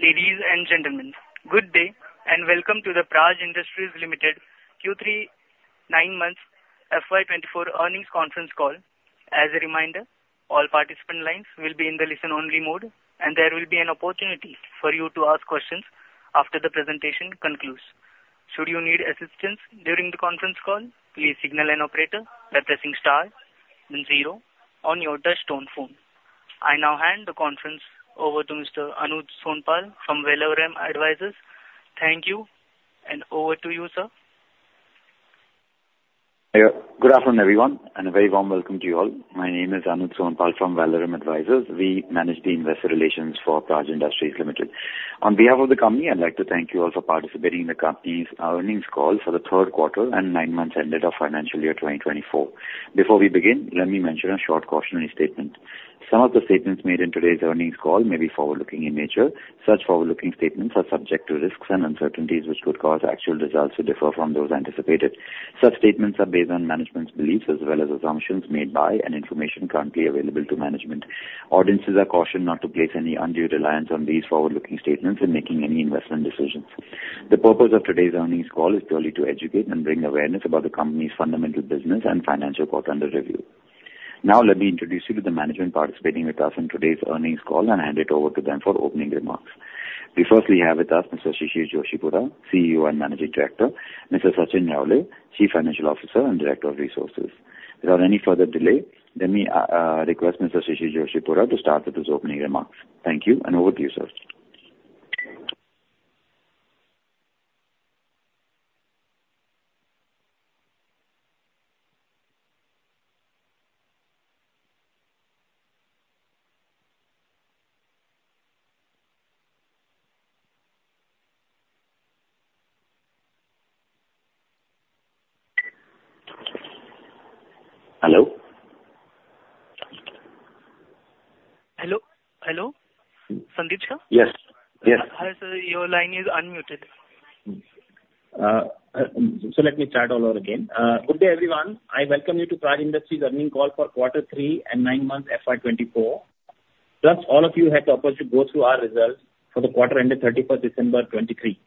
Ladies and gentlemen, good day, and welcome to the Praj Industries Limited Q3 9 months FY 2024 earnings conference call. As a reminder, all participant lines will be in the listen-only mode, and there will be an opportunity for you to ask questions after the presentation concludes. Should you need assistance during the conference call, please signal an operator by pressing star then zero on your touchtone phone. I now hand the conference over to Mr. Anuj Sonpal from Valorum Advisors. Thank you, and over to you, sir. Yeah. Good afternoon, everyone, and a very warm welcome to you all. My name is Anuj Sonpal from Valorum Advisors. We manage the investor relations for Praj Industries Limited. On behalf of the company, I'd like to thank you all for participating in the company's earnings call for the third quarter and nine months ended of financial year 2024. Before we begin, let me mention a short cautionary statement. Some of the statements made in today's earnings call may be forward-looking in nature. Such forward-looking statements are subject to risks and uncertainties, which could cause actual results to differ from those anticipated. Such statements are based on management's beliefs as well as assumptions made by and information currently available to management. Audiences are cautioned not to place any undue reliance on these forward-looking statements in making any investment decisions. The purpose of today's earnings call is purely to educate and bring awareness about the company's fundamental business and financial part under review. Now, let me introduce you to the management participating with us in today's earnings call and hand it over to them for opening remarks. We firstly have with us Mr. Shishir Joshipura, CEO and Managing Director, Mr. Sachin Raole, Chief Financial Officer and Director of Resources. Without any further delay, let me request Mr. Shishir Joshipura to start with his opening remarks. Thank you, and over to you, sir. Hello? Hello, hello, Sandip sir? Yes, yes. Hi, sir. Your line is unmuted. So let me start all over again. Good day, everyone. I welcome you to Praj Industries' earnings call for quarter three and nine months FY 2024. Plus, all of you had the opportunity to go through our results for the quarter ended 31st December 2023.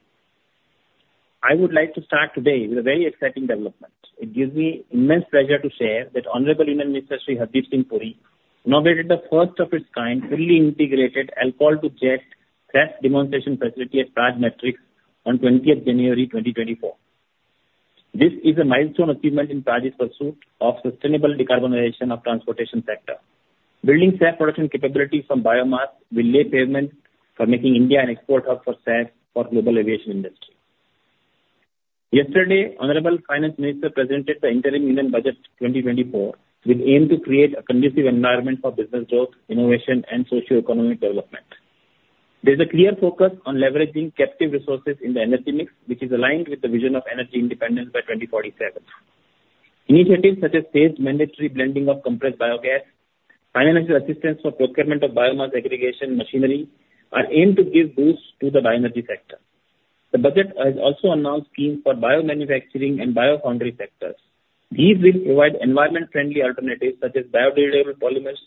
I would like to start today with a very exciting development. It gives me immense pleasure to share that Honorable Union Minister, Sri Hardeep Singh Puri, inaugurated the first of its kind fully integrated alcohol-to-jet SAF demonstration facility at Praj Matrix on 20th January 2024. This is a milestone achievement in Praj's pursuit of sustainable decarbonization of transportation sector. Building SAF production capabilities from biomass will lay pavement for making India an export hub for SAF for global aviation industry. Yesterday, the honorable Finance Minister presented the interim Union Budget 2024, with aim to create a conducive environment for business growth, innovation, and socioeconomic development. There's a clear focus on leveraging captive resources in the energy mix, which is aligned with the vision of energy independence by 2047. Initiatives such as phased mandatory blending of compressed biogas, financial assistance for procurement of biomass aggregation machinery, are aimed to give boost to the bioenergy sector. The budget has also announced schemes for biomanufacturing and biofoundry sectors. These will provide environment-friendly alternatives such as biodegradable polymers,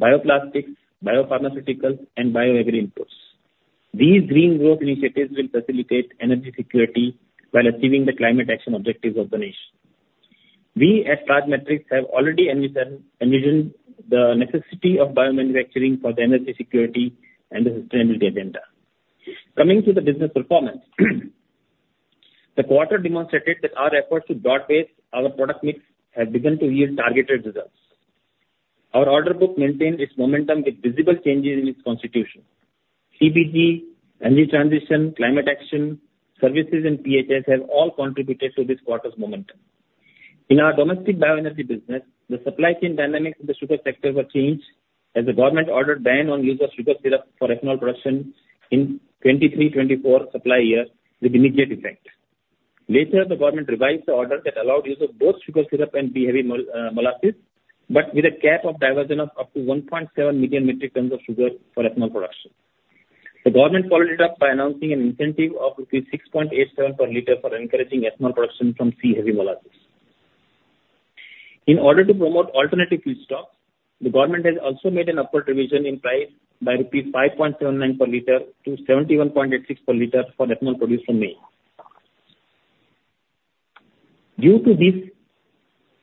bioplastics, biopharmaceuticals, and bioagro inputs. These green growth initiatives will facilitate energy security while achieving the climate action objectives of the nation. We, at Praj Matrix, have already envisioned the necessity of biomanufacturing for the energy security and the sustainability agenda. Coming to the business performance, the quarter demonstrated that our efforts to broad base our product mix have begun to yield targeted results. Our order book maintained its momentum with visible changes in its constitution. CBG, energy transition, climate action, services and PHAs have all contributed to this quarter's momentum. In our domestic bioenergy business, the supply chain dynamics in the sugar sector were changed, as the government ordered ban on use of sugar syrup for ethanol production in 2023-2024 supply year with immediate effect. Later, the government revised the order that allowed use of both sugar syrup and heavy mol, molasses, but with a cap of diversion of up to 1.7 million metric tons of sugar for ethanol production. The government followed it up by announcing an incentive of 6.87 per liter for encouraging ethanol production from C Heavy Molasses. In order to promote alternative feedstock, the government has also made an upward revision in price by rupees 5.79 per liter to 71.86 per liter for ethanol produced from maize. Due to these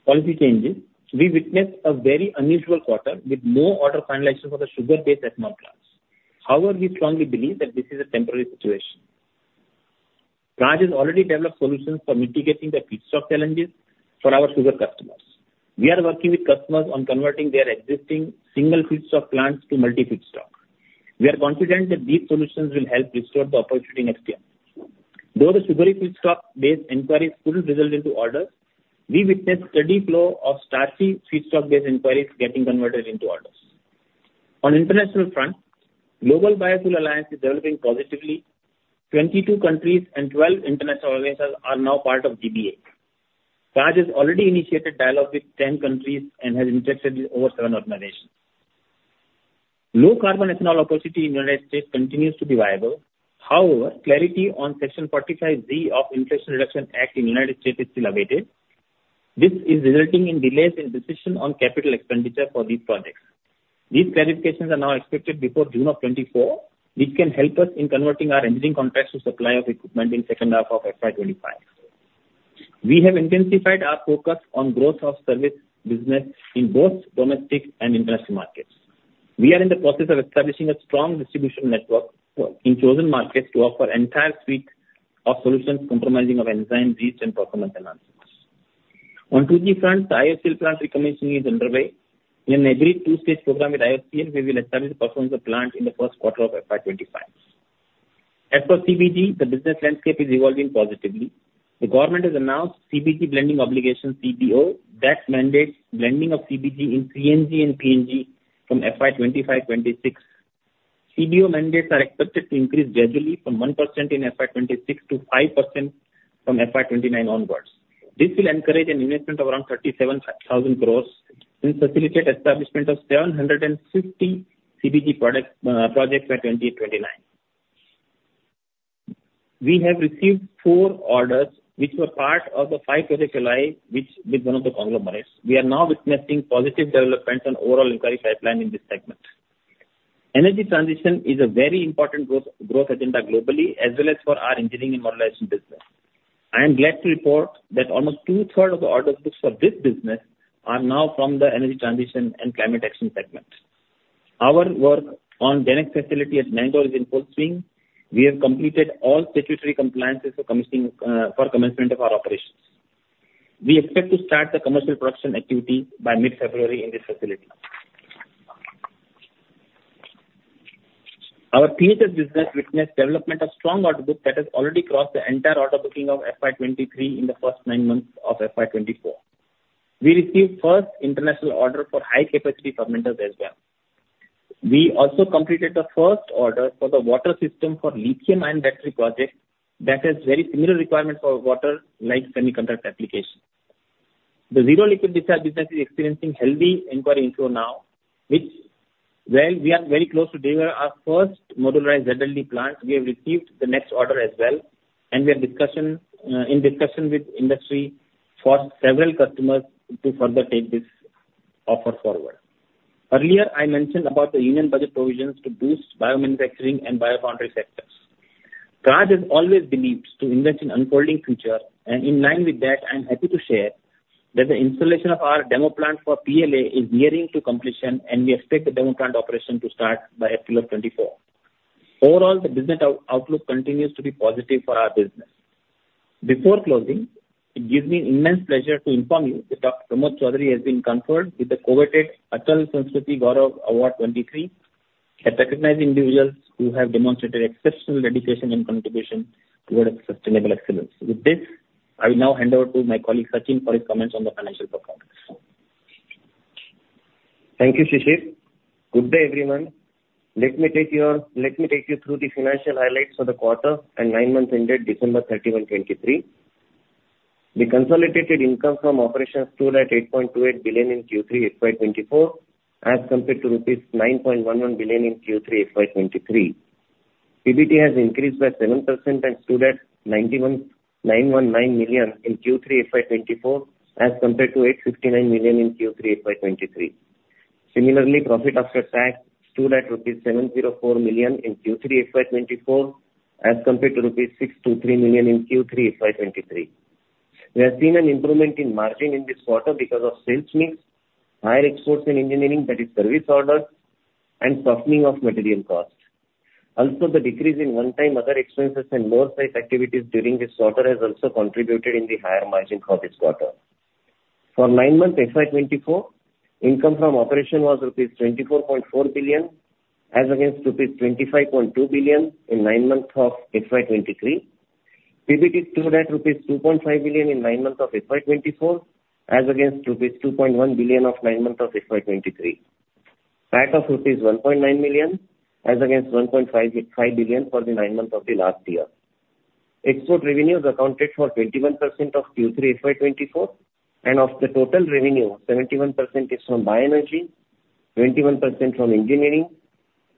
policy changes, we witnessed a very unusual quarter with no order finalization for the sugar-based ethanol plants. However, we strongly believe that this is a temporary situation. Praj has already developed solutions for mitigating the feedstock challenges for our sugar customers. We are working with customers on converting their existing single feedstock plants to multi-feedstock. We are confident that these solutions will help restore the opportunity next year. Though the sugary feedstock-based inquiries couldn't result into orders, we witnessed steady flow of starchy feedstock-based inquiries getting converted into orders. On international front, Global Biofuel Alliance is developing positively. 22 countries and 12 international organizations are now part of GBA. Praj has already initiated dialogue with 10 countries and has interacted with over seven organizations. Low Carbon Ethanol opportunity in United States continues to be viable. However, clarity on Section 45Z of Inflation Reduction Act in United States is still awaited. This is resulting in delays in decision on capital expenditure for these projects. These clarifications are now expected before June of 2024, which can help us in converting our engineering contracts to supply of equipment in second half of FY 25. We have intensified our focus on growth of service business in both domestic and international markets. We are in the process of establishing a strong distribution network within chosen markets to offer entire suite of solutions comprising of enzyme, yeast and performance enhancements. On 2G front, the IOCL plant recommissioning is underway. In an agreed two-stage program with IOCL, we will establish performance of plant in the first quarter of FY 25. As for CBG, the business landscape is evolving positively. The government has announced CBG Blending Obligation, CBO, that mandates blending of CBG in CNG and PNG from FY 25-26. CBO mandates are expected to increase gradually from 1% in FY 26 to 5% from FY 29 onwards. This will encourage an investment of around 37,000 crore and facilitate establishment of 750 CBG projects by 2029. We have received 4 orders, which were part of the five, which with one of the conglomerates. We are now witnessing positive developments on overall inquiry pipeline in this segment. Energy transition is a very important growth agenda globally, as well as for our engineering and modularization business. I am glad to report that almost two-thirds of the order books for this business are now from the energy transition and climate action segment. Our work on GenX facility at Mangalore is in full swing. We have completed all statutory compliances for commissioning for commencement of our operations. We expect to start the commercial production activity by mid-February in this facility. Our PHS business witnessed development of strong order book that has already crossed the entire order booking of FY 2023 in the first 9 months of FY 2024. We received first international order for high capacity fermenters as well. We also completed the first order for the water system for lithium-ion battery project that has very similar requirement for water like semiconductor application. The zero liquid discharge business is experiencing healthy inquiry inflow now, which, while we are very close to deliver our first modularized ZLD plant, we have received the next order as well, and we are in discussion with industry for several customers to further take this offer forward. Earlier, I mentioned about the Union Budget provisions to boost biomanufacturing and biopharma sectors. Praj has always believed to invest in unfolding future, and in line with that, I'm happy to share that the installation of our demo plant for PLA is nearing to completion, and we expect the demo plant operation to start by April of 2024. Overall, the business outlook continues to be positive for our business. Before closing, it gives me immense pleasure to inform you that Dr. Pramod Chaudhari has been conferred with the coveted Atal Sanskriti Gaurav Award 2023, that recognize individuals who have demonstrated exceptional dedication and contribution towards sustainable excellence. With this, I will now hand over to my colleague, Sachin, for his comments on the financial performance. Thank you, Shishir. Good day, everyone. Let me take you, let me take you through the financial highlights for the quarter and nine months ended December 31, 2023. The consolidated income from operations stood at 8.28 billion in Q3 FY 2024, as compared to rupees 9.11 billion in Q3 FY 2023. PBT has increased by 7% and stood at 919 million in Q3 FY 2024, as compared to 859 million in Q3 FY 2023. Similarly, profit after tax stood at rupees 704 million in Q3 FY 2024, as compared to rupees 623 million in Q3 FY 2023. We have seen an improvement in margin in this quarter because of sales mix, higher exports in engineering, that is service orders, and softening of material costs. Also, the decrease in one-time other expenses and lower site activities during this quarter has also contributed in the higher margin for this quarter. For nine months FY 2024, income from operation was rupees 24.4 billion as against rupees 25.2 billion in nine months of FY 2023. PBT stood at rupees 2.5 billion in nine months of FY 2024, as against rupees 2.1 billion of nine months of FY 2023. PAT of rupees 1.9 million, as against 1.55 billion for the nine months of the last year. Export revenues accounted for 21% of Q3 FY 2024, and of the total revenue, 71% is from bioenergy, 21% from engineering,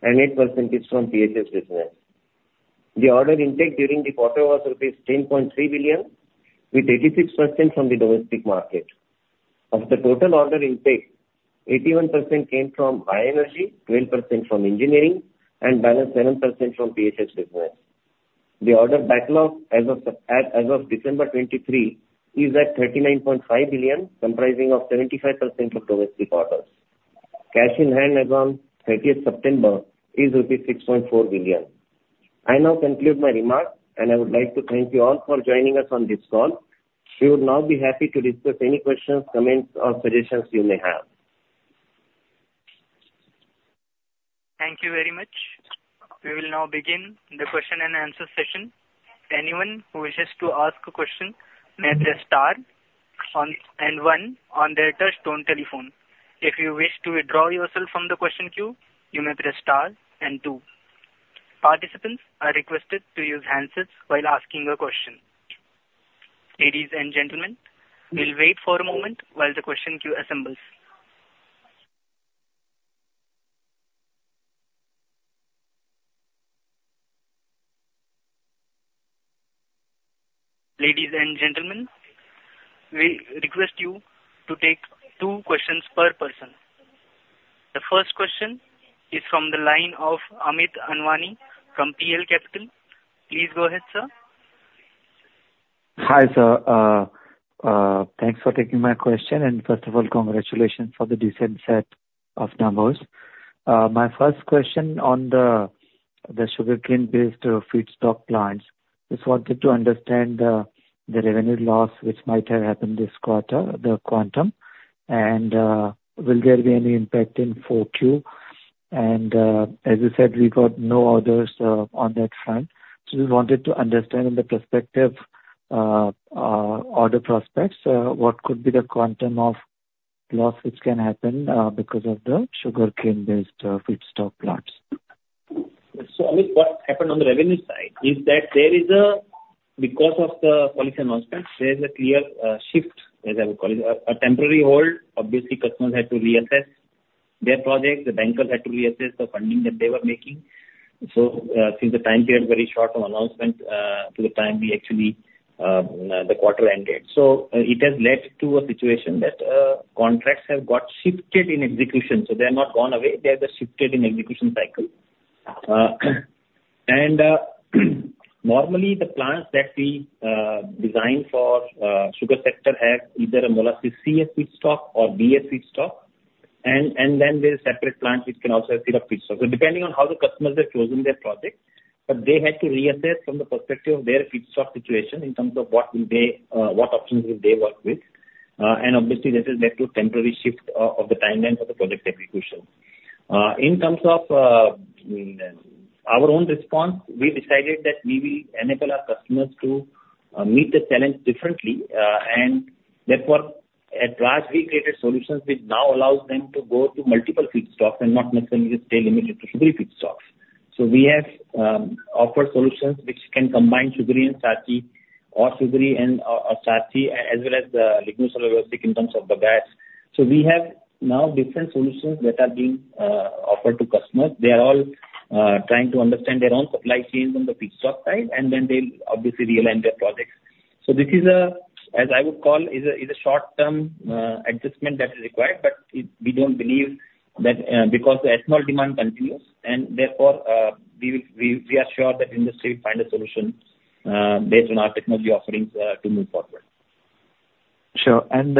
and 8% is from PHS business. The order intake during the quarter was rupees 10.3 billion, with 86% from the domestic market. Of the total order intake, 81% came from bioenergy, 12% from engineering, and balance 7% from PHS business. The order backlog as of December 2023, is at 39.5 billion, comprising of 75% of domestic orders. Cash in hand as on thirtieth September is INR 6.4 billion. I now conclude my remarks, and I would like to thank you all for joining us on this call. We would now be happy to discuss any questions, comments, or suggestions you may have. Thank you very much. We will now begin the question and answer session. Anyone who wishes to ask a question may press star one on their touchtone telephone. If you wish to withdraw yourself from the question queue, you may press star two. Participants are requested to use handsets while asking a question. Ladies and gentlemen, we'll wait for a moment while the question queue assembles. ... Ladies and gentlemen, we request you to take two questions per person. The first question is from the line of Amit Anwani from PL Capital. Please go ahead, sir. Hi, sir. Thanks for taking my question. And first of all, congratulations for the decent set of numbers. My first question on the sugarcane-based feedstock plants. Just wanted to understand the revenue loss which might have happened this quarter, the quantum, and will there be any impact in Q4? And as you said, we got no orders on that front. So we wanted to understand in the prospective order prospects what could be the quantum of loss which can happen because of the sugarcane-based feedstock plants? So Amit, what happened on the revenue side is that there is a, because of the policy announcement, there is a clear shift, as I would call it, a temporary hold. Obviously, customers had to reassess their projects, the bankers had to reassess the funding that they were making. So, since the time period, very short of announcement, to the time we actually, the quarter ended. So it has led to a situation that, contracts have got shifted in execution, so they have not gone away, they have just shifted in execution cycle. And, normally, the plants that we design for, sugar sector have either a molasses CS feedstock or BS feedstock. And, and then there's separate plants which can also have sugar feedstock. So depending on how the customers have chosen their projects, but they had to reassess from the perspective of their feedstock situation in terms of what options will they work with. And obviously, this has led to a temporary shift of the timeline for the project execution. In terms of our own response, we decided that we will enable our customers to meet the challenge differently. And therefore, at Praj, we created solutions which now allows them to go to multiple feedstock and not necessarily stay limited to sugary feedstock. So we have offered solutions which can combine sugary and starchy or sugary and starchy, as well as the lignocellulosic in terms of the gas. So we have now different solutions that are being offered to customers. They are all trying to understand their own supply chains on the feedstock side, and then they'll obviously realign their projects. So this is, as I would call, a short-term adjustment that is required, but it—we don't believe that, because the ethanol demand continues, and therefore, we are sure that industry will find a solution based on our technology offerings to move forward. Sure. And,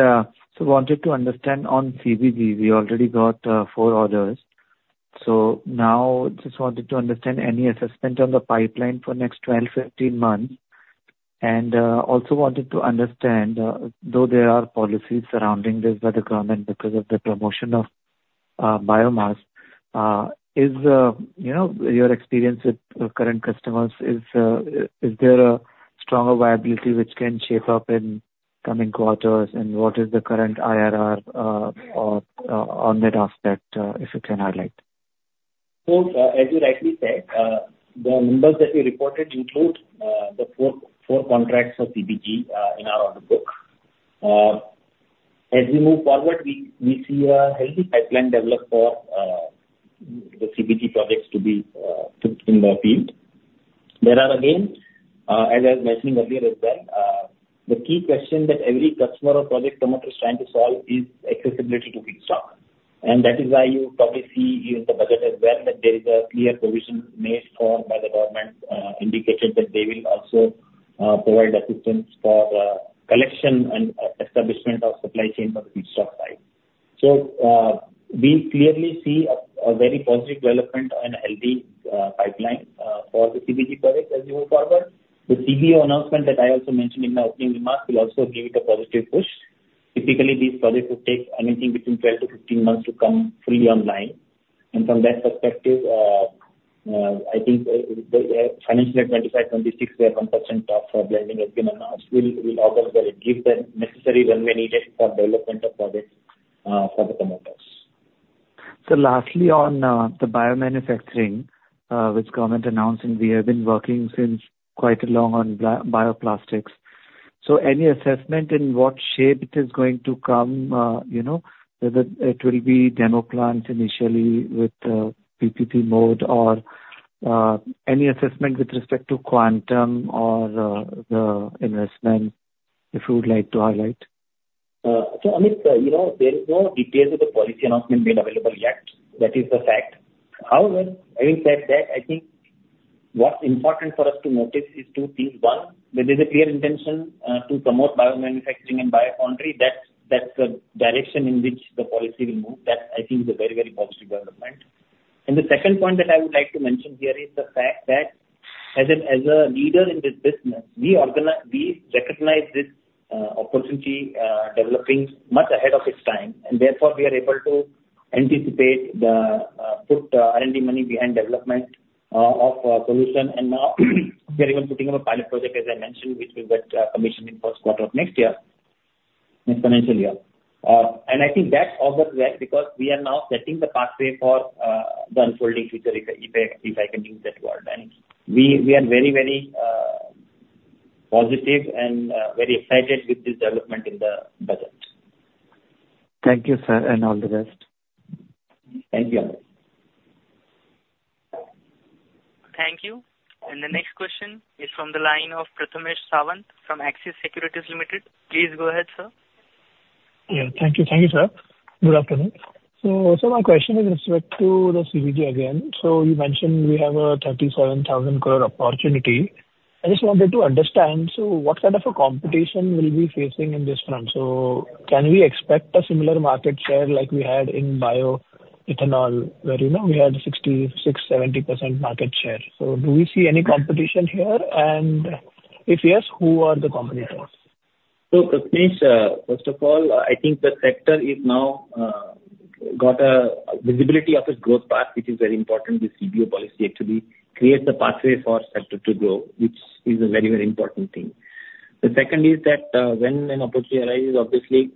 so wanted to understand on CBG, we already got, four orders. So now, just wanted to understand any assessment on the pipeline for next 12, 15 months. And, also wanted to understand, though there are policies surrounding this by the government because of the promotion of, biomass, is... You know, your experience with the current customers, is, is there a stronger viability which can shape up in coming quarters? And what is the current IRR, of, on that aspect, if you can highlight? So, as you rightly said, the numbers that we reported include the four contracts for CBG in our order book. As we move forward, we see a healthy pipeline develop for the CBG projects to be put in the field. There are again, as I was mentioning earlier as well, the key question that every customer or project promoter is trying to solve is accessibility to feedstock. And that is why you probably see in the budget as well, that there is a clear provision made for by the government, indicating that they will also provide assistance for the collection and establishment of supply chain on the feedstock side. So, we clearly see a very positive development and a healthy pipeline for the CBG projects as we move forward. The CBO announcement that I also mentioned in my opening remarks will also give it a positive push. Typically, these projects will take anything between 12-15 months to come fully online. From that perspective, I think financially, 2025, 2026, where 1% of blending has been announced, will also give the necessary runway needed for development of projects for the promoters. So lastly, on the biomanufacturing, which government announcing, we have been working since quite long on bioplastics. So any assessment in what shape it is going to come, you know, whether it will be demo plant initially with PPP mode or any assessment with respect to quantum or the investment, if you would like to highlight? So Amit, you know, there is no details of the policy announcement made available yet. That is the fact. However, having said that, I think what's important for us to notice is two things: One, there is a clear intention to promote biomanufacturing and biofoundry. That's the direction in which the policy will move. That, I think, is a very, very positive development. And the second point that I would like to mention here is the fact that as a leader in this business, we recognize this opportunity developing much ahead of its time, and therefore, we are able to anticipate the put R&D money behind development of a solution. And now, we are even putting up a pilot project, as I mentioned, which will get commissioned in first quarter of next year, next financial year. I think that bodes well, because we are now setting the pathway for the unfolding future, if I can use that word. We are very, very positive and very excited with this development in the budget.... Thank you, sir, and all the best. Thank you. Thank you. The next question is from the line of Prathamesh Sawant from Axis Securities Limited. Please go ahead, sir. Yeah. Thank you. Thank you, sir. Good afternoon. So my question is with respect to the CBG again. So you mentioned we have a 37,000 crore opportunity. I just wanted to understand, so what kind of a competition we'll be facing in this front? So can we expect a similar market share like we had in bioethanol, where, you know, we had 66%-70% market share? So do we see any competition here, and if yes, who are the competitors? So Prathamesh, first of all, I think the sector is now, got a visibility of its growth path, which is very important. The CBO policy actually creates a pathway for sector to grow, which is a very, very important thing. The second is that, when an opportunity arises, obviously,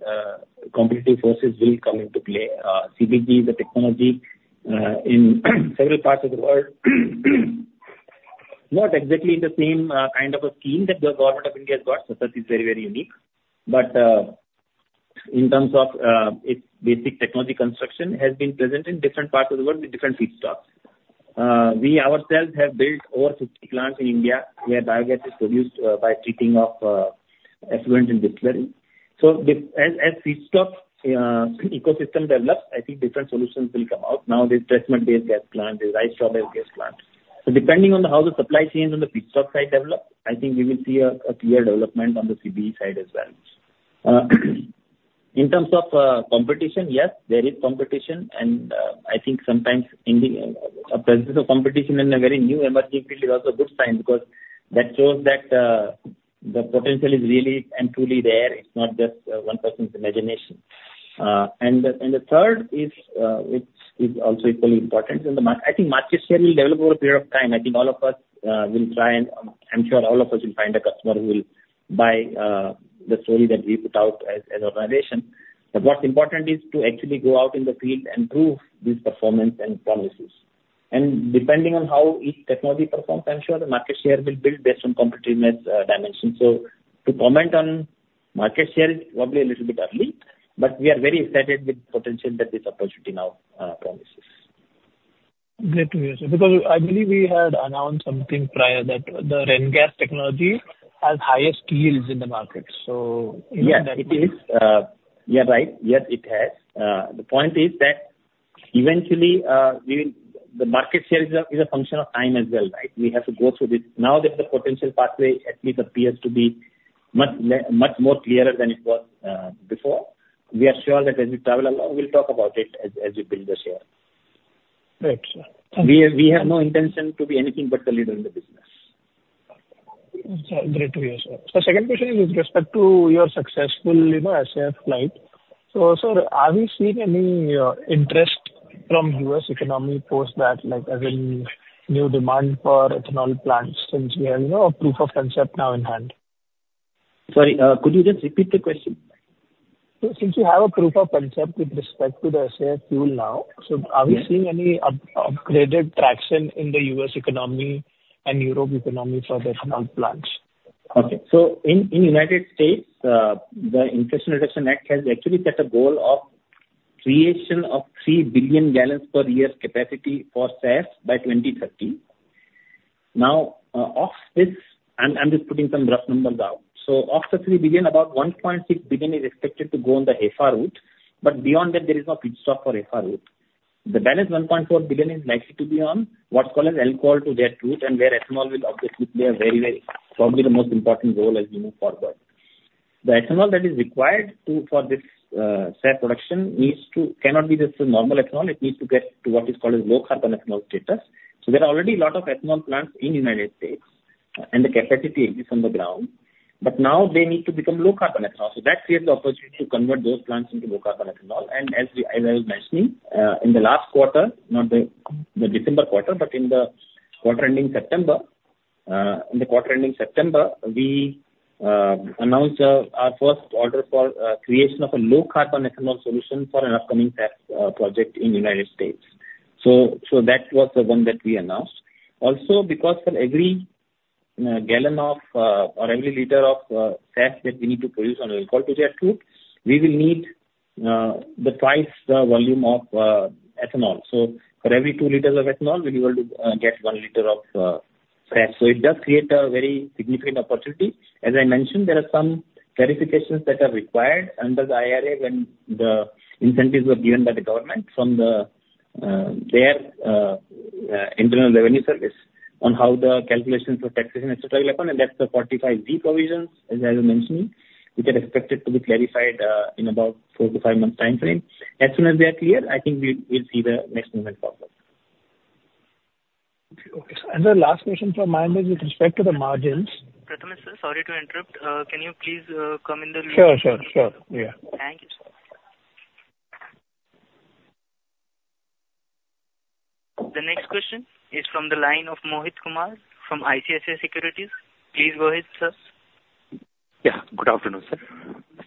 competitive forces will come into play. CBG, the technology, in several parts of the world, not exactly the same, kind of a scheme that the government of India has got, so that is very, very unique. But, in terms of, its basic technology construction, has been present in different parts of the world with different feedstocks. We ourselves have built over 50 plants in India, where biogas is produced, by treating of, effluent and distillery. So the... As feedstock ecosystem develops, I think different solutions will come out. Now, there's treatment-based gas plant, there's rice straw-based gas plant. So depending on how the supply chains on the feedstock side develop, I think we will see a clear development on the CBG side as well. In terms of competition, yes, there is competition, and I think sometimes in a presence of competition in a very new emerging field is also a good sign, because that shows that the potential is really and truly there. It's not just one person's imagination. And the third is, which is also equally important, in the mark-- I think market share will develop over a period of time. I think all of us will try and... I'm sure all of us will find a customer who will buy the story that we put out as an organization. But what's important is to actually go out in the field and prove this performance and promises. And depending on how each technology performs, I'm sure the market share will build based on competitiveness dimension. So to comment on market share is probably a little bit early, but we are very excited with the potential that this opportunity now promises. Great to hear, sir, because I believe we had announced something prior, that the RenGas technology has highest yields in the market. So- Yeah, it is. Yeah, right. Yes, it has. The point is that eventually, we will. The market share is a function of time as well, right? We have to go through this. Now that the potential pathway at least appears to be much more clearer than it was before, we are sure that as we travel along, we'll talk about it as we build the share. Right, sir. Thank you. We have no intention to be anything but the leader in the business. It's great to hear, sir. So second question is with respect to your successful, you know, SAF flight. So, sir, are we seeing any interest from U.S. economy post that, like, as in new demand for ethanol plants, since we have, you know, a proof of concept now in hand? Sorry, could you just repeat the question? Since you have a proof of concept with respect to the SAF fuel now, so are we seeing? Yeah... any upgraded traction in the U.S. economy and Europe economy for the ethanol plants? Okay. So in the United States, the Inflation Reduction Act has actually set a goal of creation of 3 billion gallons per year capacity for SAF by 2030. Now, of this, I'm just putting some rough numbers out. So of the 3 billion, about 1.6 billion is expected to go on the FR route, but beyond that, there is no pit stop for FR route. The balance, 1.4 billion, is likely to be on what's called an alcohol-to-jet route, and where ethanol will obviously play a very, very, probably the most important role as we move forward. The ethanol that is required to, for this, SAF production needs to, cannot be just a normal ethanol. It needs to get to what is called a low carbon ethanol status. So there are already a lot of ethanol plants in United States, and the capacity exists on the ground, but now they need to become low carbon ethanol. So that creates the opportunity to convert those plants into low carbon ethanol. And as we, as I was mentioning, in the last quarter, not the December quarter, but in the quarter ending September, we announced our first order for creation of a low carbon ethanol solution for an upcoming SAF project in the United States. So that was the one that we announced. Also, because for every gallon of or every liter of SAF that we need to produce on alcohol-to-jet route, we will need the twice the volume of ethanol. So for every 2 liters of ethanol, we'll be able to get 1 liter of SAF. So it does create a very significant opportunity. As I mentioned, there are some clarifications that are required under the IRA, when the incentives were given by the government from their Internal Revenue Service, on how the calculations for taxation, et cetera, will happen, and that's the 45Z provisions, as I was mentioning. Which are expected to be clarified in about 4-5 months' timeframe. As soon as they are clear, I think we'll see the next movement forward. Okay, sir. The last question from my end is with respect to the margins- Prathamesh, sir, sorry to interrupt. Can you please come in the- Sure, sure, sure. Yeah. Thank you, sir. The next question is from the line of Mohit Kumar, from ICICI Securities. Please go ahead, sir. Yeah, good afternoon, sir.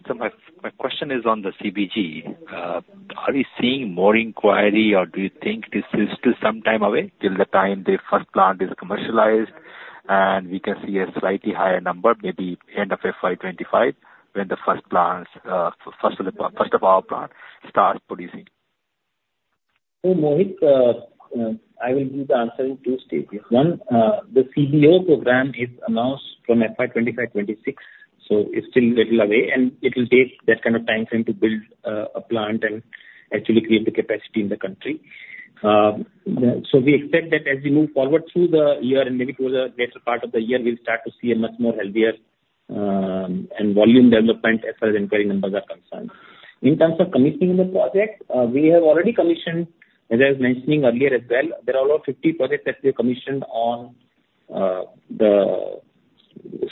So my question is on the CBG. Are we seeing more inquiry, or do you think this is still some time away, till the time the first plant is commercialized? And we can see a slightly higher number, maybe end of FY 2025, when the first plants, first of our plant starts producing. So Mohit, I will give the answer in two stages. One, the CBO program is announced from FY 2025-2026, so it's still little away, and it will take that kind of time frame to build, a plant and actually create the capacity in the country. So we expect that as we move forward through the year and maybe towards the later part of the year, we'll start to see a much more healthier, and volume development as far as inquiry numbers are concerned. In terms of commissioning the project, we have already commissioned, as I was mentioning earlier as well, there are about 50 projects that we have commissioned on, the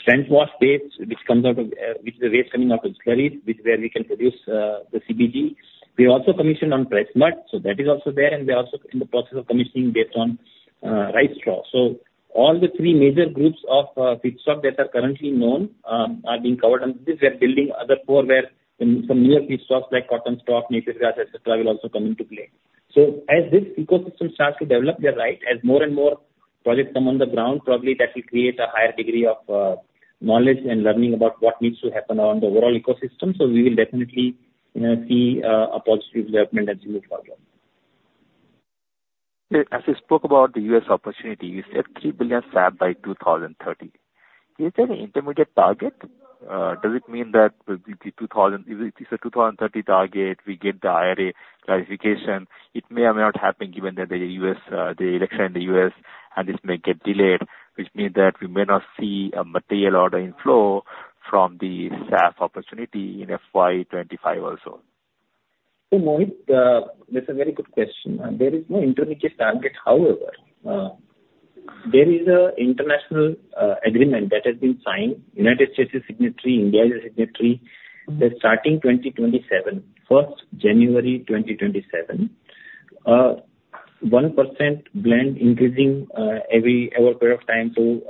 spent wash basis, which comes out of, which is the waste coming out of the distilleries, where we can produce, the CBG. We also commissioned on press mud, so that is also there, and we are also in the process of commissioning based on rice straw. So all the three major groups of feedstock that are currently known are being covered, and this we are building other core, where some new feedstocks, like cotton stalk, native grass, et cetera, will also come into play. So as this ecosystem starts to develop, you're right, as more and more projects come on the ground, probably that will create a higher degree of knowledge and learning about what needs to happen on the overall ecosystem. So we will definitely, you know, see a positive development as we move forward. Yeah, as you spoke about the U.S. opportunity, you said 3 billion SAF by 2030. Is there an intermediate target? Does it mean that the 2030—if it's a 2030 target, we get the IRA classification, it may or may not happen, given that the U.S., the election in the U.S., and this may get delayed, which means that we may not see a material order inflow from the SAF opportunity in FY25 also. So Mohit, that's a very good question, and there is no intermediate target. However, there is an international agreement that has been signed. United States is signatory, India is a signatory. That starting 2027, January 1, 2027, 1% blend increasing every over a period of time to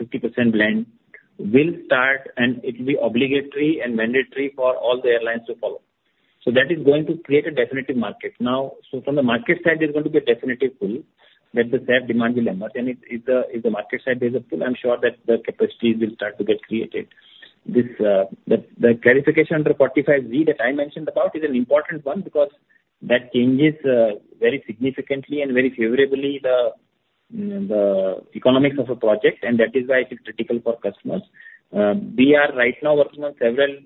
50% blend will start, and it'll be obligatory and mandatory for all the airlines to follow. So that is going to create a definitive market. Now, so from the market side, there's going to be a definitive pull, that the SAF demand will emerge. And if the market side, there's a pull, I'm sure that the capacities will start to get created. This clarification under 45 Z that I mentioned about is an important one, because that changes very significantly and very favorably the economics of a project, and that is why it's critical for customers. We are right now working on several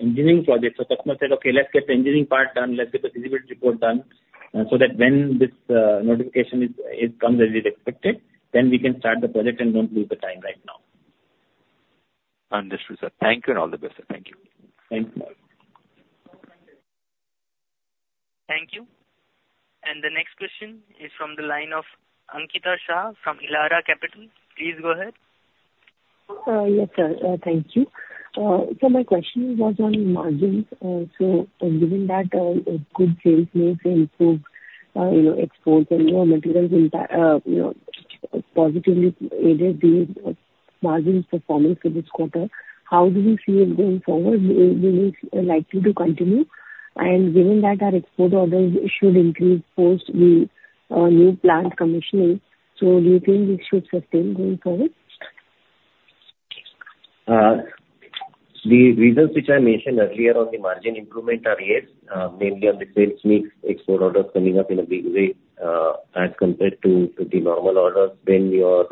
engineering projects. So customer said, "Okay, let's get the engineering part done. Let's get the feasibility report done, so that when this notification comes as it is expected, then we can start the project and don't lose the time right now. Understood, sir. Thank you, and all the best, sir. Thank you. Thank you. Thank you. The next question is from the line of Ankita Shah, from Elara Capital. Please go ahead. Yes, sir. Thank you. So my question was on margins. So given that, a good sales mix improved, you know, exports and, materials in fact, you know, positively aided the margins performance for this quarter, how do we see it going forward? Do you think it's likely to continue? And given that our export orders should increase post the new plant commissioning, so do you think this should sustain going forward? The results which I mentioned earlier on the margin improvement are, yes, mainly on the sales mix, export orders coming up in a big way, as compared to the normal orders when your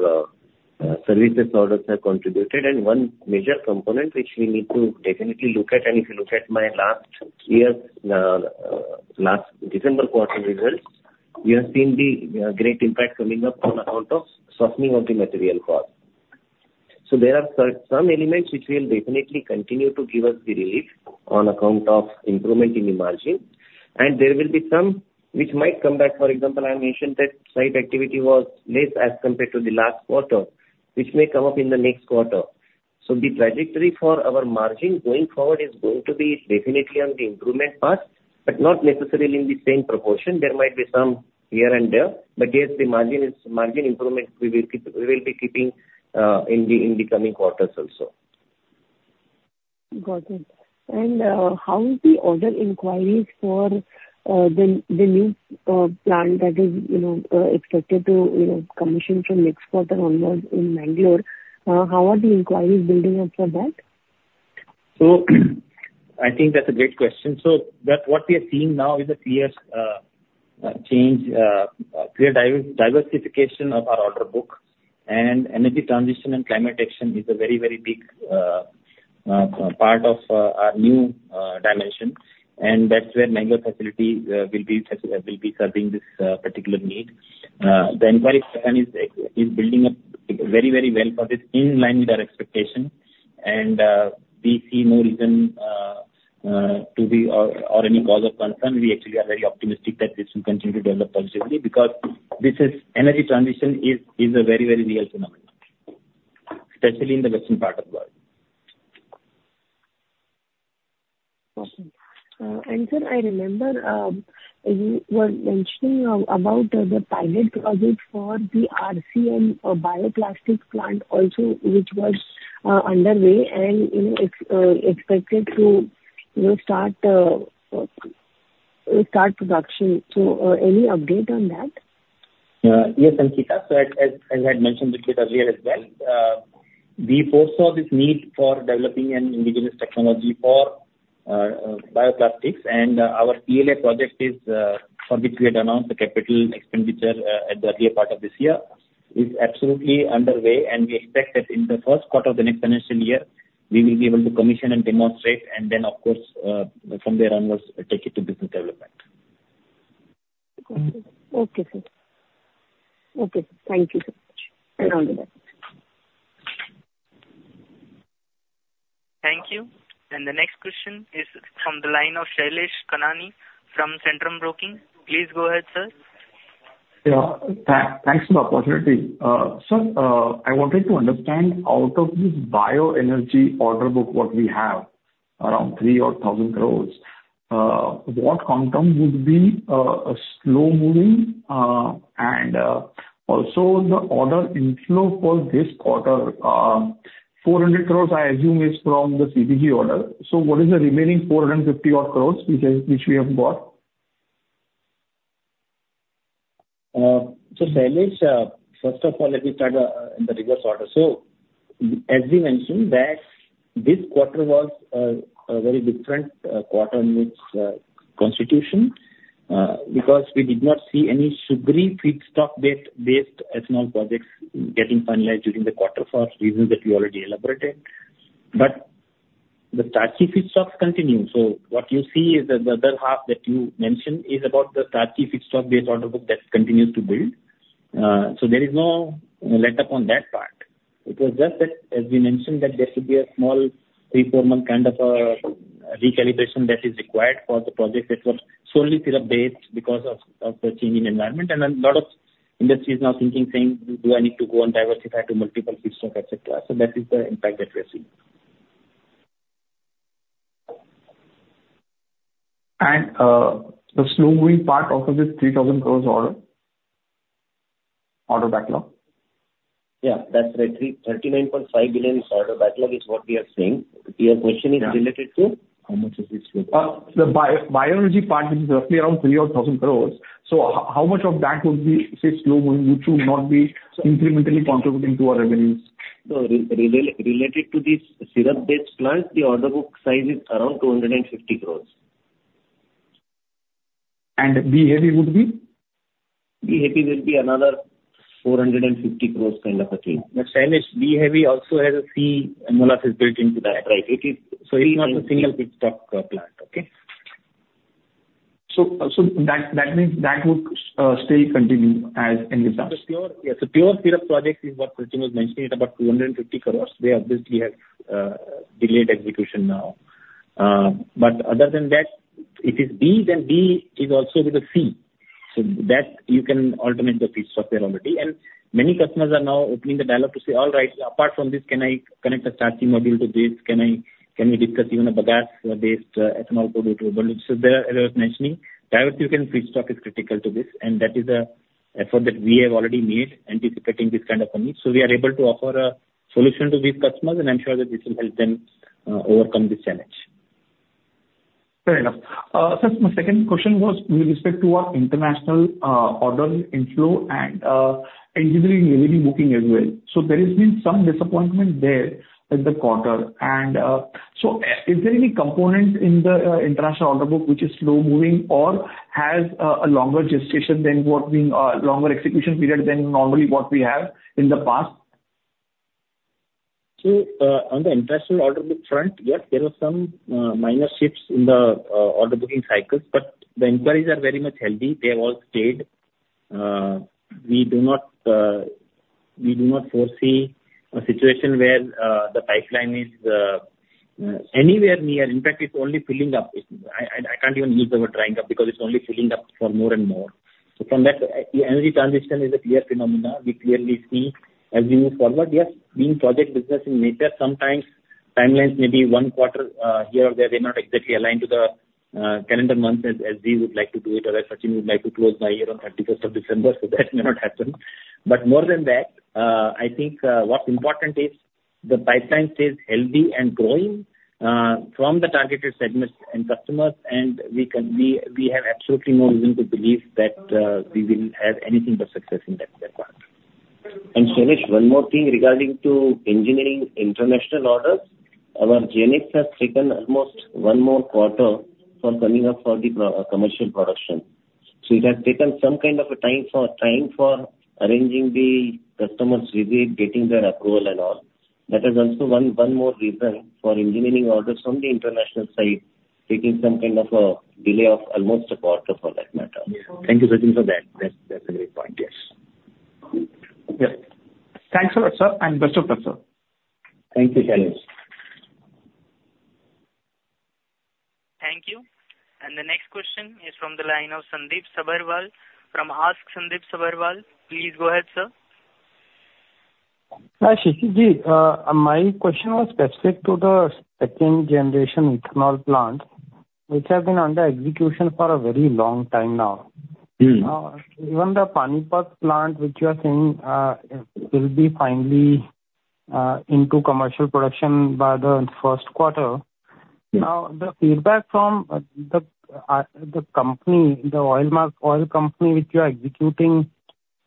services orders have contributed. And one major component, which we need to definitely look at, and if you look at my last year's last December quarter results, we have seen the great impact coming up on account of softening of the material cost. So there are some elements which will definitely continue to give us the relief on account of improvement in the margin, and there will be some which might come back. For example, I mentioned that site activity was less as compared to the last quarter, which may come up in the next quarter. So the trajectory for our margin going forward is going to be definitely on the improvement part, but not necessarily in the same proportion. There might be some here and there, but yes, the margin improvement we will keep, we will be keeping in the coming quarters also. Got it. And, how is the order inquiries for the new plant that is, you know, expected to, you know, commission from next quarter onwards in Mangalore? How are the inquiries building up for that? So, I think that's a great question. So that, what we are seeing now is a clear change, clear diversification of our order book, and energy transition and climate action is a very, very big part of our new dimension. And that's where Mangalore facility will be serving this particular need. The inquiry pattern is building up very, very well for this, in line with our expectation. And, we see no reason to be, or any cause of concern. We actually are very optimistic that this will continue to develop positively, because this is... Energy transition is a very, very real phenomenon, especially in the western part of the world. Awesome. And sir, I remember you were mentioning about the pilot project for the RCM bioplastic plant also, which was underway and, you know, expected to, you know, start.... start production. So, any update on that? Yes, Ankita. So as I had mentioned with you earlier as well, we foresaw this need for developing an indigenous technology for bioplastics. And our PLA project is, for which we had announced the capital expenditure at the earlier part of this year, is absolutely underway, and we expect that in the first quarter of the next financial year, we will be able to commission and demonstrate, and then, of course, from there onwards, take it to business development. Okay, sir. Okay, thank you so much, and all the best. Thank you. The next question is from the line of Shailesh Kanani from Centrum Broking. Please go ahead, sir. Yeah. Thanks for the opportunity. So, I wanted to understand, out of this bioenergy order book what we have, around 3,000 crore, what quantum would be slow moving? And also the order inflow for this quarter, 400 crore, I assume, is from the CBG order. So what is the remaining 450-odd crore, which we have got? So Shailesh, first of all, let me start in the reverse order. So as we mentioned that this quarter was a very different quarter in its constitution because we did not see any sugary feedstock based ethanol projects getting finalized during the quarter for reasons that we already elaborated. But the starchy feedstocks continue. So what you see is that the other half that you mentioned is about the starchy feedstock based order book that continues to build. So there is no letup on that part. It was just that, as we mentioned, that there should be a small 3-4-month kind of a recalibration that is required for the project that was solely syrup-based because of the change in environment. And then a lot of industry is now thinking, saying: Do I need to go and diversify to multiple feedstock, et cetera? So that is the impact that we are seeing. The slow moving part of this 3,000 crore order, order backlog? Yeah, that's right. 339.5 billion is order backlog is what we are saying. Your question is related to? How much is this? The bioenergy part, which is roughly around 3,000 crore. So how much of that would be, say, slow moving, which will not be incrementally contributing to our revenues? So related to this syrup-based plant, the order book size is around 250 crore. B-Heavy would be? B-Heavy will be another 450 crore kind of a thing. Shailesh, B-Heavy also has a C molasses built into that. Right. It is- It's not a single feedstock, plant, okay? So that means that would still continue as in the past? Yeah, so pure syrup project is what Sachin was mentioning, at about 250 crore. They obviously have delayed execution now. But other than that, if it's B, then B is also with a C, so that you can alternate the feedstock there already. And many customers are now opening the dialogue to say: "All right, apart from this, can I connect a starchy module to this? Can I- can we discuss even a bagasse-based ethanol product?" So there, as I was mentioning, diversity in feedstock is critical to this, and that is an effort that we have already made, anticipating this kind of a need. So we are able to offer a solution to these customers, and I'm sure that this will help them overcome this challenge. Fair enough. Sir, my second question was with respect to our international order inflow and engineering revenue booking as well. So there has been some disappointment there in the quarter. And so is there any component in the international order book, which is slow moving or has a longer gestation than what we longer execution period than normally what we have in the past? So, on the international order book front, yes, there were some minor shifts in the order booking cycles, but the inquiries are very much healthy. They have all stayed. We do not foresee a situation where the pipeline is anywhere near... In fact, it's only filling up. It's, I can't even use the word drying up, because it's only filling up for more and more. So from that, energy transition is a clear phenomenon. We clearly see as we move forward, yes, being project business in nature, sometimes timelines may be one quarter here or there. They're not exactly aligned to the calendar month as we would like to do it, or as Sachin would like to close my year on thirty-first of December, so that may not happen. But more than that, I think what's important is the pipeline stays healthy and growing from the targeted segments and customers, and we have absolutely no reason to believe that we will have anything but success in that requirement. And Shailesh, one more thing regarding to engineering international orders. Our GenX has taken almost one more quarter for coming up for the pre-commercial production. So it has taken some kind of a time for, time for arranging the customers review, getting their approval and all. That is also one, one more reason for engineering orders from the international side, taking some kind of a delay of almost a quarter for that matter. Thank you, Sachin, for that. That's, that's a great point. Yes. Yes. Thanks a lot, sir, and best of luck, sir. Thank you, Shailesh. Thank you. The next question is from the line of Sandip Sabharwal from Ask Sandip Sabharwal. Please go ahead, sir. Hi, Shishir ji. My question was specific to the second generation ethanol plants, which have been under execution for a very long time now. Mm-hmm. Even the Panipat plant, which you are saying will be into commercial production by the first quarter. Now, the feedback from the company, the oil company, which you are executing,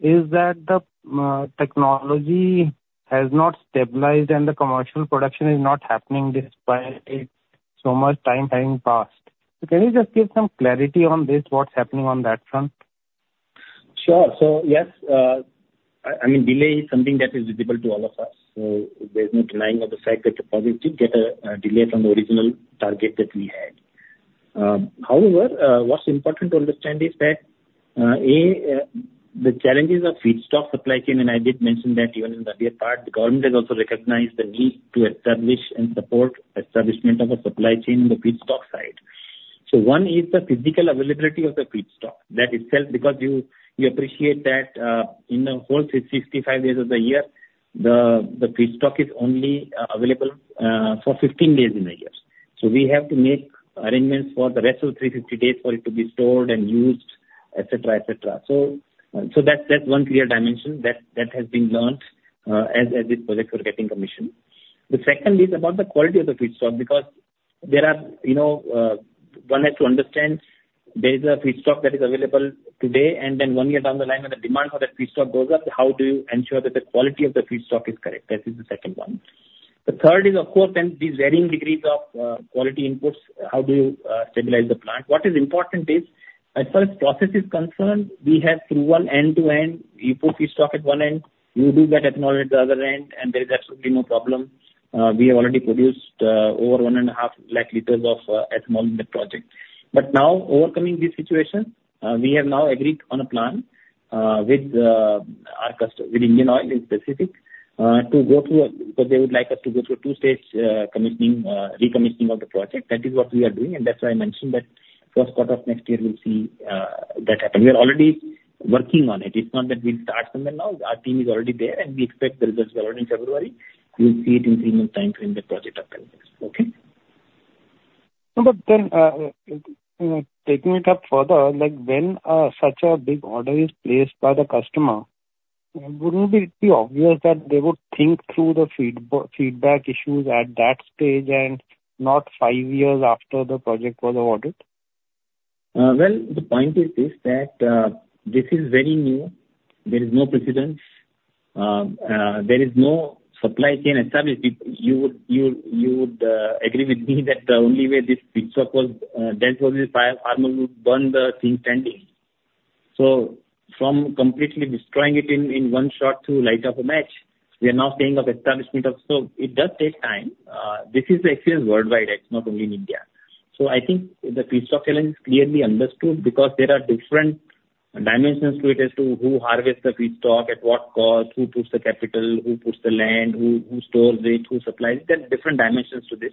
is that the technology has not stabilized and the commercial production is not happening despite so much time having passed. So can you just give some clarity on this? What's happening on that front? Sure. So yes, I mean, delay is something that is visible to all of us, so there's no denying of the fact that the project did get a delay from the original target that we had. However, what's important to understand is that the challenges of feedstock supply chain, and I did mention that even in the earlier part, the government has also recognized the need to establish and support establishment of a supply chain on the feedstock side. So one is the physical availability of the feedstock. That itself, because you appreciate that, in the whole 365 days of the year, the feedstock is only available for 15 days in a year. So we have to make arrangements for the rest of the 350 days for it to be stored and used, et cetera, et cetera. So that's one clear dimension that has been learned as this project was getting commissioned. The second is about the quality of the feedstock, because there are, you know, one has to understand there is a feedstock that is available today, and then one year down the line, when the demand for that feedstock goes up, how do you ensure that the quality of the feedstock is correct? That is the second one. The third is, of course, then these varying degrees of quality inputs. How do you stabilize the plant? What is important is, as far as process is concerned, we have through one, end-to-end. You put feedstock at one end, you do get ethanol at the other end, and there is absolutely no problem. We have already produced over 1.5 lakh liters of ethanol in the project. But now, overcoming this situation, we have now agreed on a plan with our customer, with Indian Oil specifically, to go through a because they would like us to go through a two-stage commissioning, recommissioning of the project. That is what we are doing, and that's why I mentioned that first quarter of next year, we'll see that happen. We are already working on it. It's not that we'll start from there now. Our team is already there, and we expect the results already in February. We'll see it in reasonable timeframe, the project up and running. Okay? No, but then, taking it up further, like when such a big order is placed by the customer, wouldn't it be obvious that they would think through the feedback issues at that stage and not five years after the project was awarded? Well, the point is this, that this is very new. There is no precedence. There is no supply chain established. You would agree with me that the only way this feedstock was done was by farmer would burn the thing standing. So from completely destroying it in one shot to light up a match, we are now talking of establishment of... So it does take time. This is the experience worldwide, it's not only in India. So I think the feedstock challenge is clearly understood, because there are different dimensions to it as to who harvests the feedstock, at what cost, who puts the capital, who puts the land, who stores it, who supplies it. There are different dimensions to this,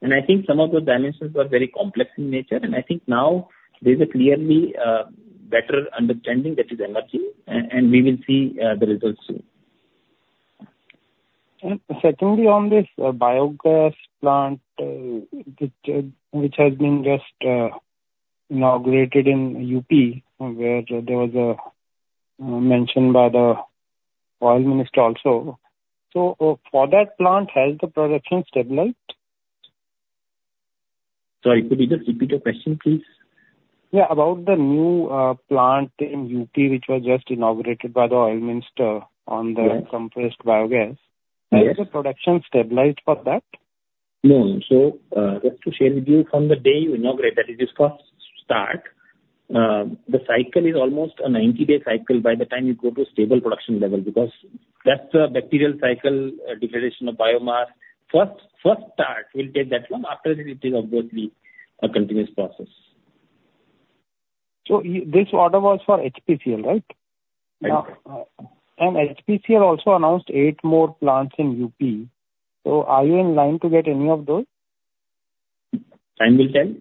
and I think some of those dimensions are very complex in nature, and I think now there's a clearly better understanding that is emerging, and we will see the results soon. And secondly, on this biogas plant, which has been just inaugurated in UP, where there was a mention by the oil minister also. So, for that plant, has the production stabilized? Sorry, could you just repeat the question, please? Yeah, about the new plant in UP, which was just inaugurated by the oil minister on the- Yes... compressed biogas. Yes. Has the production stabilized for that? No. So, just to share with you, from the day you inaugurate that, it is first start. The cycle is almost a 90-day cycle by the time you go to a stable production level, because that's the bacterial cycle, degradation of biomass. First, first start, we'll take that one. After that, it is obviously a continuous process. So, this order was for HPCL, right? Right. HPCL also announced eight more plants in UP, so are you in line to get any of those? Time will tell.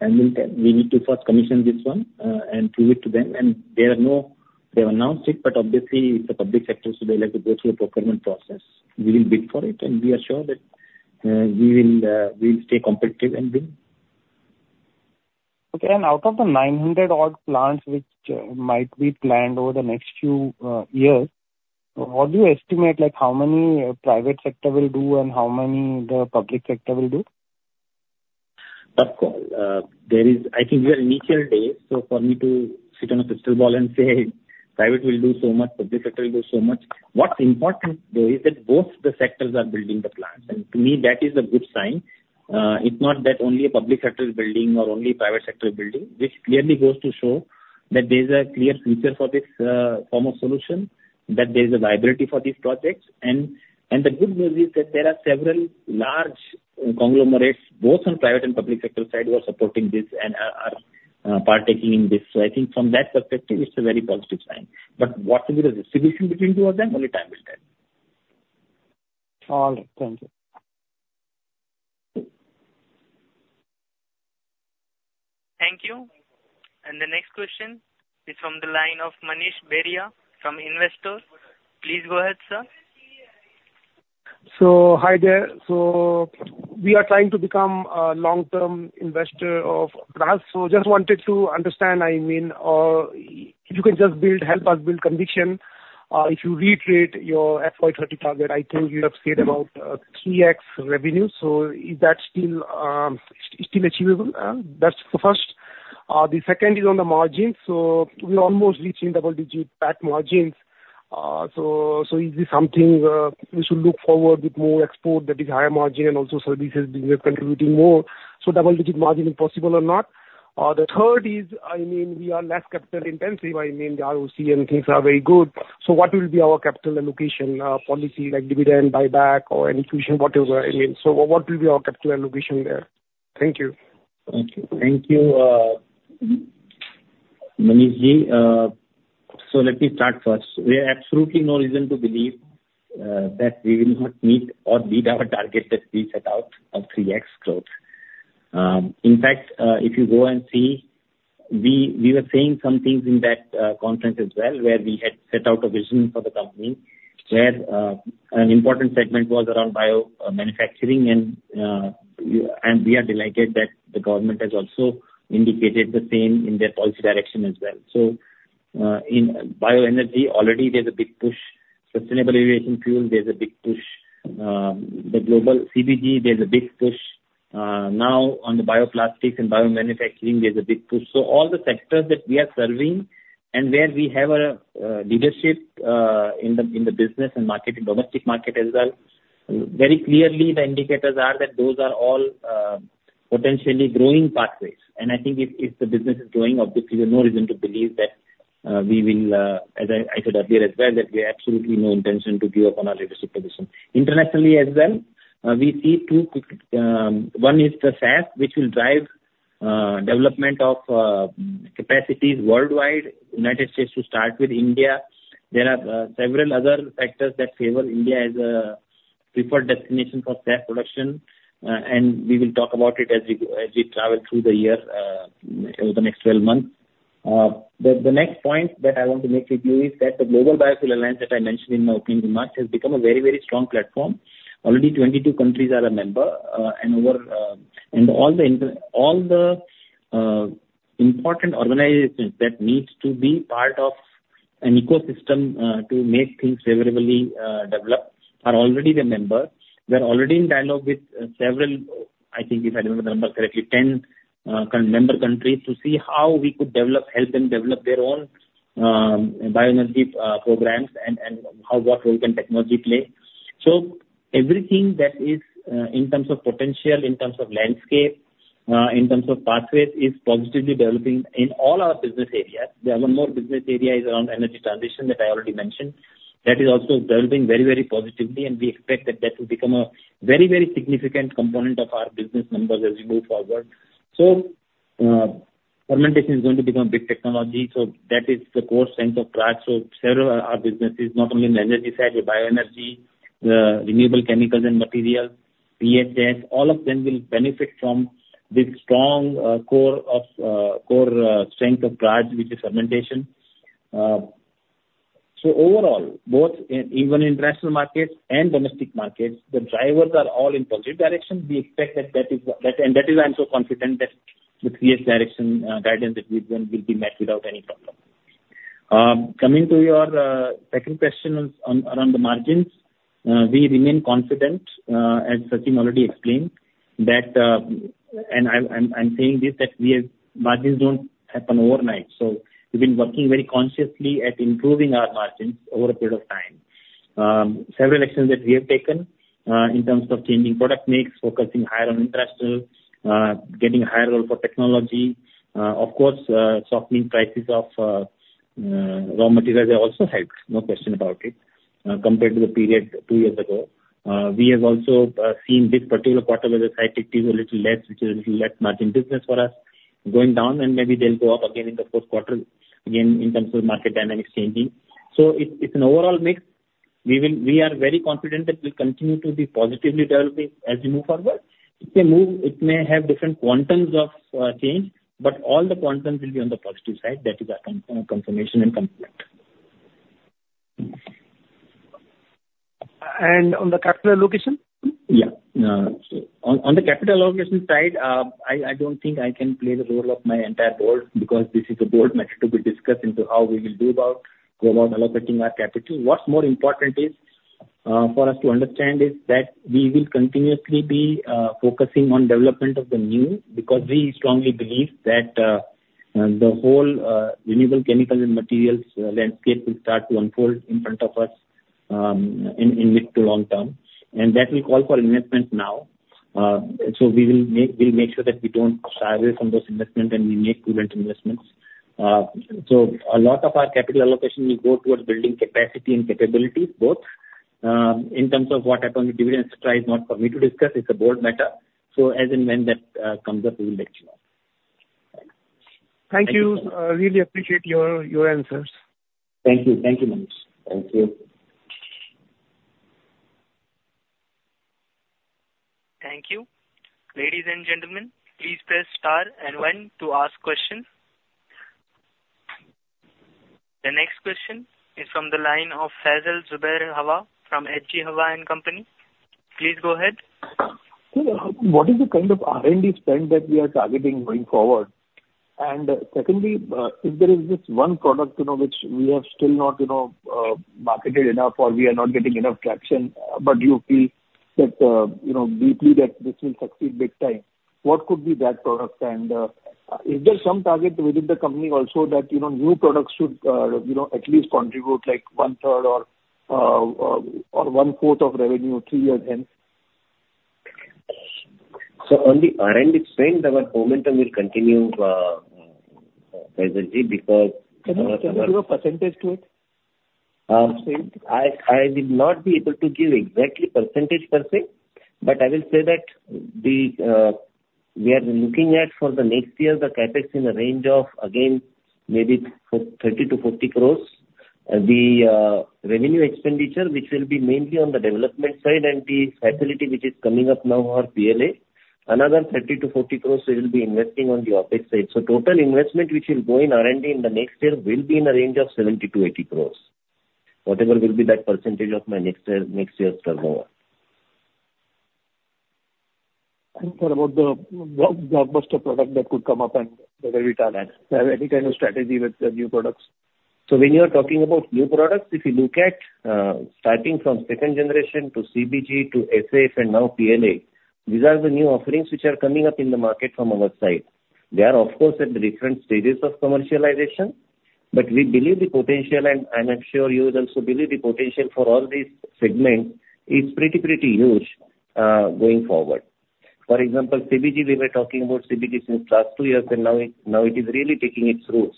Time will tell. We need to first commission this one, and prove it to them, and there are no... They've announced it, but obviously, it's a public sector, so they'll have to go through a procurement process. We will bid for it, and we are sure that, we will, we will stay competitive and bid. Okay. Out of the 900-odd plants which might be planned over the next few years, what do you estimate, like, how many private sector will do and how many the public sector will do? Of course. There is. I think we are in initial days, so for me to sit on a crystal ball and say private will do so much, public sector will do so much. What's important, though, is that both the sectors are building the plants, and to me, that is a good sign. It's not that only a public sector is building or only private sector is building. This clearly goes to show that there's a clear future for this form of solution, that there's a viability for these projects. And the good news is that there are several large conglomerates, both on private and public sector side, who are supporting this and are partaking in this. So I think from that perspective, it's a very positive sign. But what will be the distribution between two of them? Only time will tell. All right. Thank you. Thank you. The next question is from the line of Manish Beria, from Investors. Please go ahead, sir. Hi there. We are trying to become a long-term investor of Grasim. Just wanted to understand. I mean, if you can just build, help us build conviction, if you reiterate your FY 2030 target. I think you have said about 3x revenue. So is that still achievable? That's the first. The second is on the margins. We almost reaching double-digit PAT margins. So is this something we should look forward with more export that is higher margin, and also services being contributing more? So double-digit margin is possible or not. The third is, I mean, we are less capital intensive. I mean, the ROC and things are very good. So what will be our capital allocation policy, like dividend, buyback or infusion, whatever it is. What will be our capital allocation there? Thank you. Thank you. Thank you, Manishji. So let me start first. We have absolutely no reason to believe that we will not meet or beat our target that we set out of 3x growth. In fact, if you go and see, we, we were saying some things in that conference as well, where we had set out a vision for the company, where an important segment was around biomanufacturing and and we are delighted that the government has also indicated the same in their policy direction as well. So in bioenergy, already there's a big push. Sustainable aviation fuel, there's a big push. The global CBG, there's a big push. Now on the bioplastics and biomanufacturing, there's a big push. So all the sectors that we are serving, and where we have a leadership in the business and market, in domestic market as well, very clearly the indicators are that those are all potentially growing pathways. And I think if the business is growing, obviously there's no reason to believe that we will, as I said earlier as well, that we have absolutely no intention to give up on our leadership position. Internationally as well, we see two quick, one is the SAF, which will drive development of capacities worldwide, United States to start with India. There are several other factors that favor India as a preferred destination for SAF production. And we will talk about it as we travel through the year over the next 12 months. The next point that I want to make with you is that the Global Biofuel Alliance that I mentioned in my opening remarks has become a very, very strong platform. Already 22 countries are a member, and over and all the important organizations that needs to be part of an ecosystem to make things favorably developed are already the member. We are already in dialogue with several, I think if I remember the number correctly, 10 member countries, to see how we could develop, help them develop their own bioenergy programs and how what role can technology play. So everything that is in terms of potential, in terms of landscape, in terms of pathways, is positively developing in all our business areas. There are more business areas around energy transition that I already mentioned. That is also developing very, very positively, and we expect that that will become a very, very significant component of our business numbers as we move forward. So, fermentation is going to become a big technology, so that is the core strength of Praj. So several of our businesses, not only on energy side, but bioenergy, renewable chemicals and materials, PHS, all of them will benefit from this strong, core of, core, strength of Praj's, which is fermentation. So overall, both in, even in international markets and domestic markets, the drivers are all in positive direction. We expect that that is, that- and that is I'm so confident that the clear direction, guidance that we've given will be met without any problem. Coming to your second question on around the margins. We remain confident, as Sachin already explained, that and I'm saying this, that we have margins don't happen overnight. So we've been working very consciously at improving our margins over a period of time. Several actions that we have taken in terms of changing product mix, focusing higher on international, getting a higher role for technology. Of course, softening prices of raw materials have also helped, no question about it, compared to the period two years ago. We have also seen this particular quarter where the cyclicity is a little less, which is a little less margin business for us going down, and maybe they'll go up again in the fourth quarter, again, in terms of market dynamics changing. So it's an overall mix. We are very confident that we'll continue to be positively developing as we move forward. It may move, it may have different quantums of change, but all the quantums will be on the positive side. That is a confirmation and comfort. On the capital allocation? Yeah. So on the capital allocation side, I don't think I can play the role of my entire board, because this is a board matter to be discussed into how we will do about, go about allocating our capital. What's more important is, for us to understand is, that we will continuously be focusing on development of the new, because we strongly believe that the whole renewable chemical and materials landscape will start to unfold in front of us, in mid to long term, and that will call for investment now. So we will make sure that we don't shy away from those investments, and we make prudent investments. So a lot of our capital allocation will go towards building capacity and capabilities, both. In terms of what happens with dividend size, not for me to discuss, it's a board matter. So as and when that comes up, we will let you know. Thank you. Thank you. Really appreciate your answers. Thank you. Thank you, Manish. Thank you. Thank you. Ladies and gentlemen, please press star and one to ask questions. The next question is from the line of Faisal Zubair Hawa from H.G. Hawa and Company. Please go ahead.... So, what is the kind of R&D spend that we are targeting going forward? And secondly, if there is this one product, you know, which we have still not, you know, marketed enough or we are not getting enough traction, but you feel that, you know, deeply that this will succeed big time, what could be that product? And, is there some target within the company also that, you know, new products should, you know, at least contribute like one third or, or one quarter of revenue three years hence? On the R&D spend, our momentum will continue, presently, because- Can you give a percentage to it? Spend. I will not be able to give exactly percentage per se, but I will say that we are looking at for the next year, the CapEx in the range of, again, maybe 30-40 crores. The revenue expenditure, which will be mainly on the development side and the facility which is coming up now for PLA, another 30-40 crores, we will be investing on the OpEx side. So total investment which will go in R&D in the next year will be in a range of 70-80 crores. Whatever will be that percentage of my next year, next year's turnover. Sir, about the B-block, blockbuster product that could come up and the return and any kind of strategy with the new products. So when you are talking about new products, if you look at, starting from second generation to CBG to SAF and now PLA, these are the new offerings which are coming up in the market from our side. They are of course, at different stages of commercialization, but we believe the potential, and I'm sure you also believe the potential for all these segments is pretty, pretty huge, going forward. For example, CBG, we were talking about CBG since last two years, and now it, now it is really taking its roots.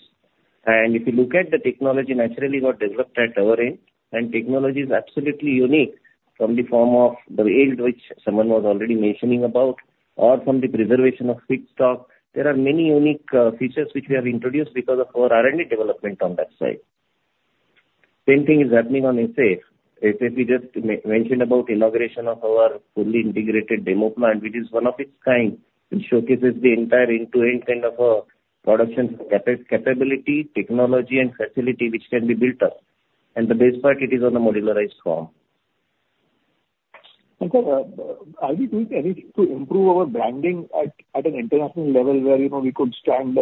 And if you look at the technology naturally got developed at our end, and technology is absolutely unique from the form of the yield, which someone was already mentioning about, or from the preservation of feedstock. There are many unique, features which we have introduced because of our R&D development on that side. Same thing is happening on SAF. SAF, we just mentioned about inauguration of our fully integrated demo plant, which is one of its kind. It showcases the entire end-to-end kind of production capability, technology and facility which can be built up. The best part, it is on a modularized form. And sir, are we doing anything to improve our branding at an international level, where, you know, we could stand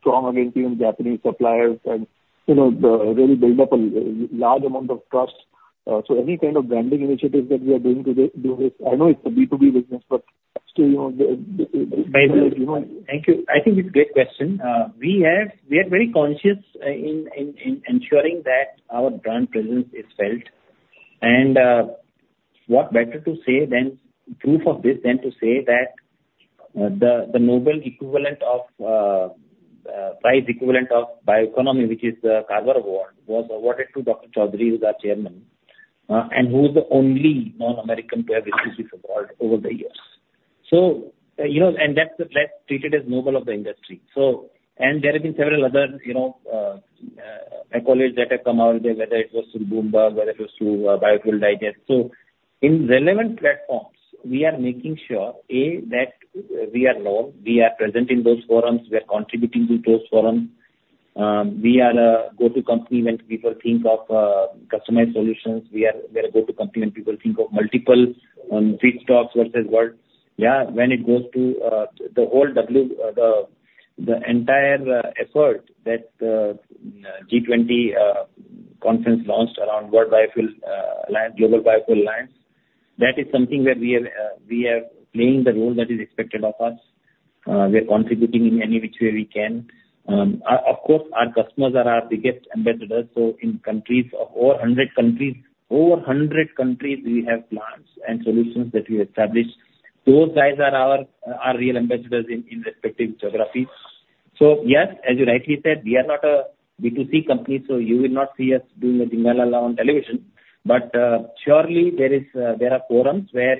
strong against the Japanese suppliers and, you know, really build up a large amount of trust? So any kind of branding initiatives that we are doing to do this, I know it's a B2B business, but still, you know, the- Thank you. I think it's a great question. We are very conscious in ensuring that our brand presence is felt. And what better to say than proof of this, than to say that the Nobel equivalent of prize equivalent of bioeconomy, which is the Carver Award, was awarded to Dr. Chaudhari, who's our chairman, and who is the only non-American to have received this award over the years. So, you know, and that's treated as Nobel of the industry. So, and there have been several other, you know, accolades that have come our way, whether it was through Bloomberg, whether it was through Biofuel Digest. So in relevant platforms, we are making sure, A, that we are known, we are present in those forums, we are contributing to those forums. We are a go-to company when people think of customized solutions. We are, we're a go-to company when people think of multiple feedstocks versus what... Yeah, when it goes to the whole, the entire effort that G20 conference launched around Global Biofuel Alliance, that is something that we are, we are playing the role that is expected of us. We are contributing in any which way we can. Of course, our customers are our biggest ambassadors. So in countries of over 100 countries, over 100 countries, we have plants and solutions that we established. Those guys are our real ambassadors in respective geographies. So yes, as you rightly said, we are not a B2C company, so you will not see us doing a jingle on television. But, surely there are forums where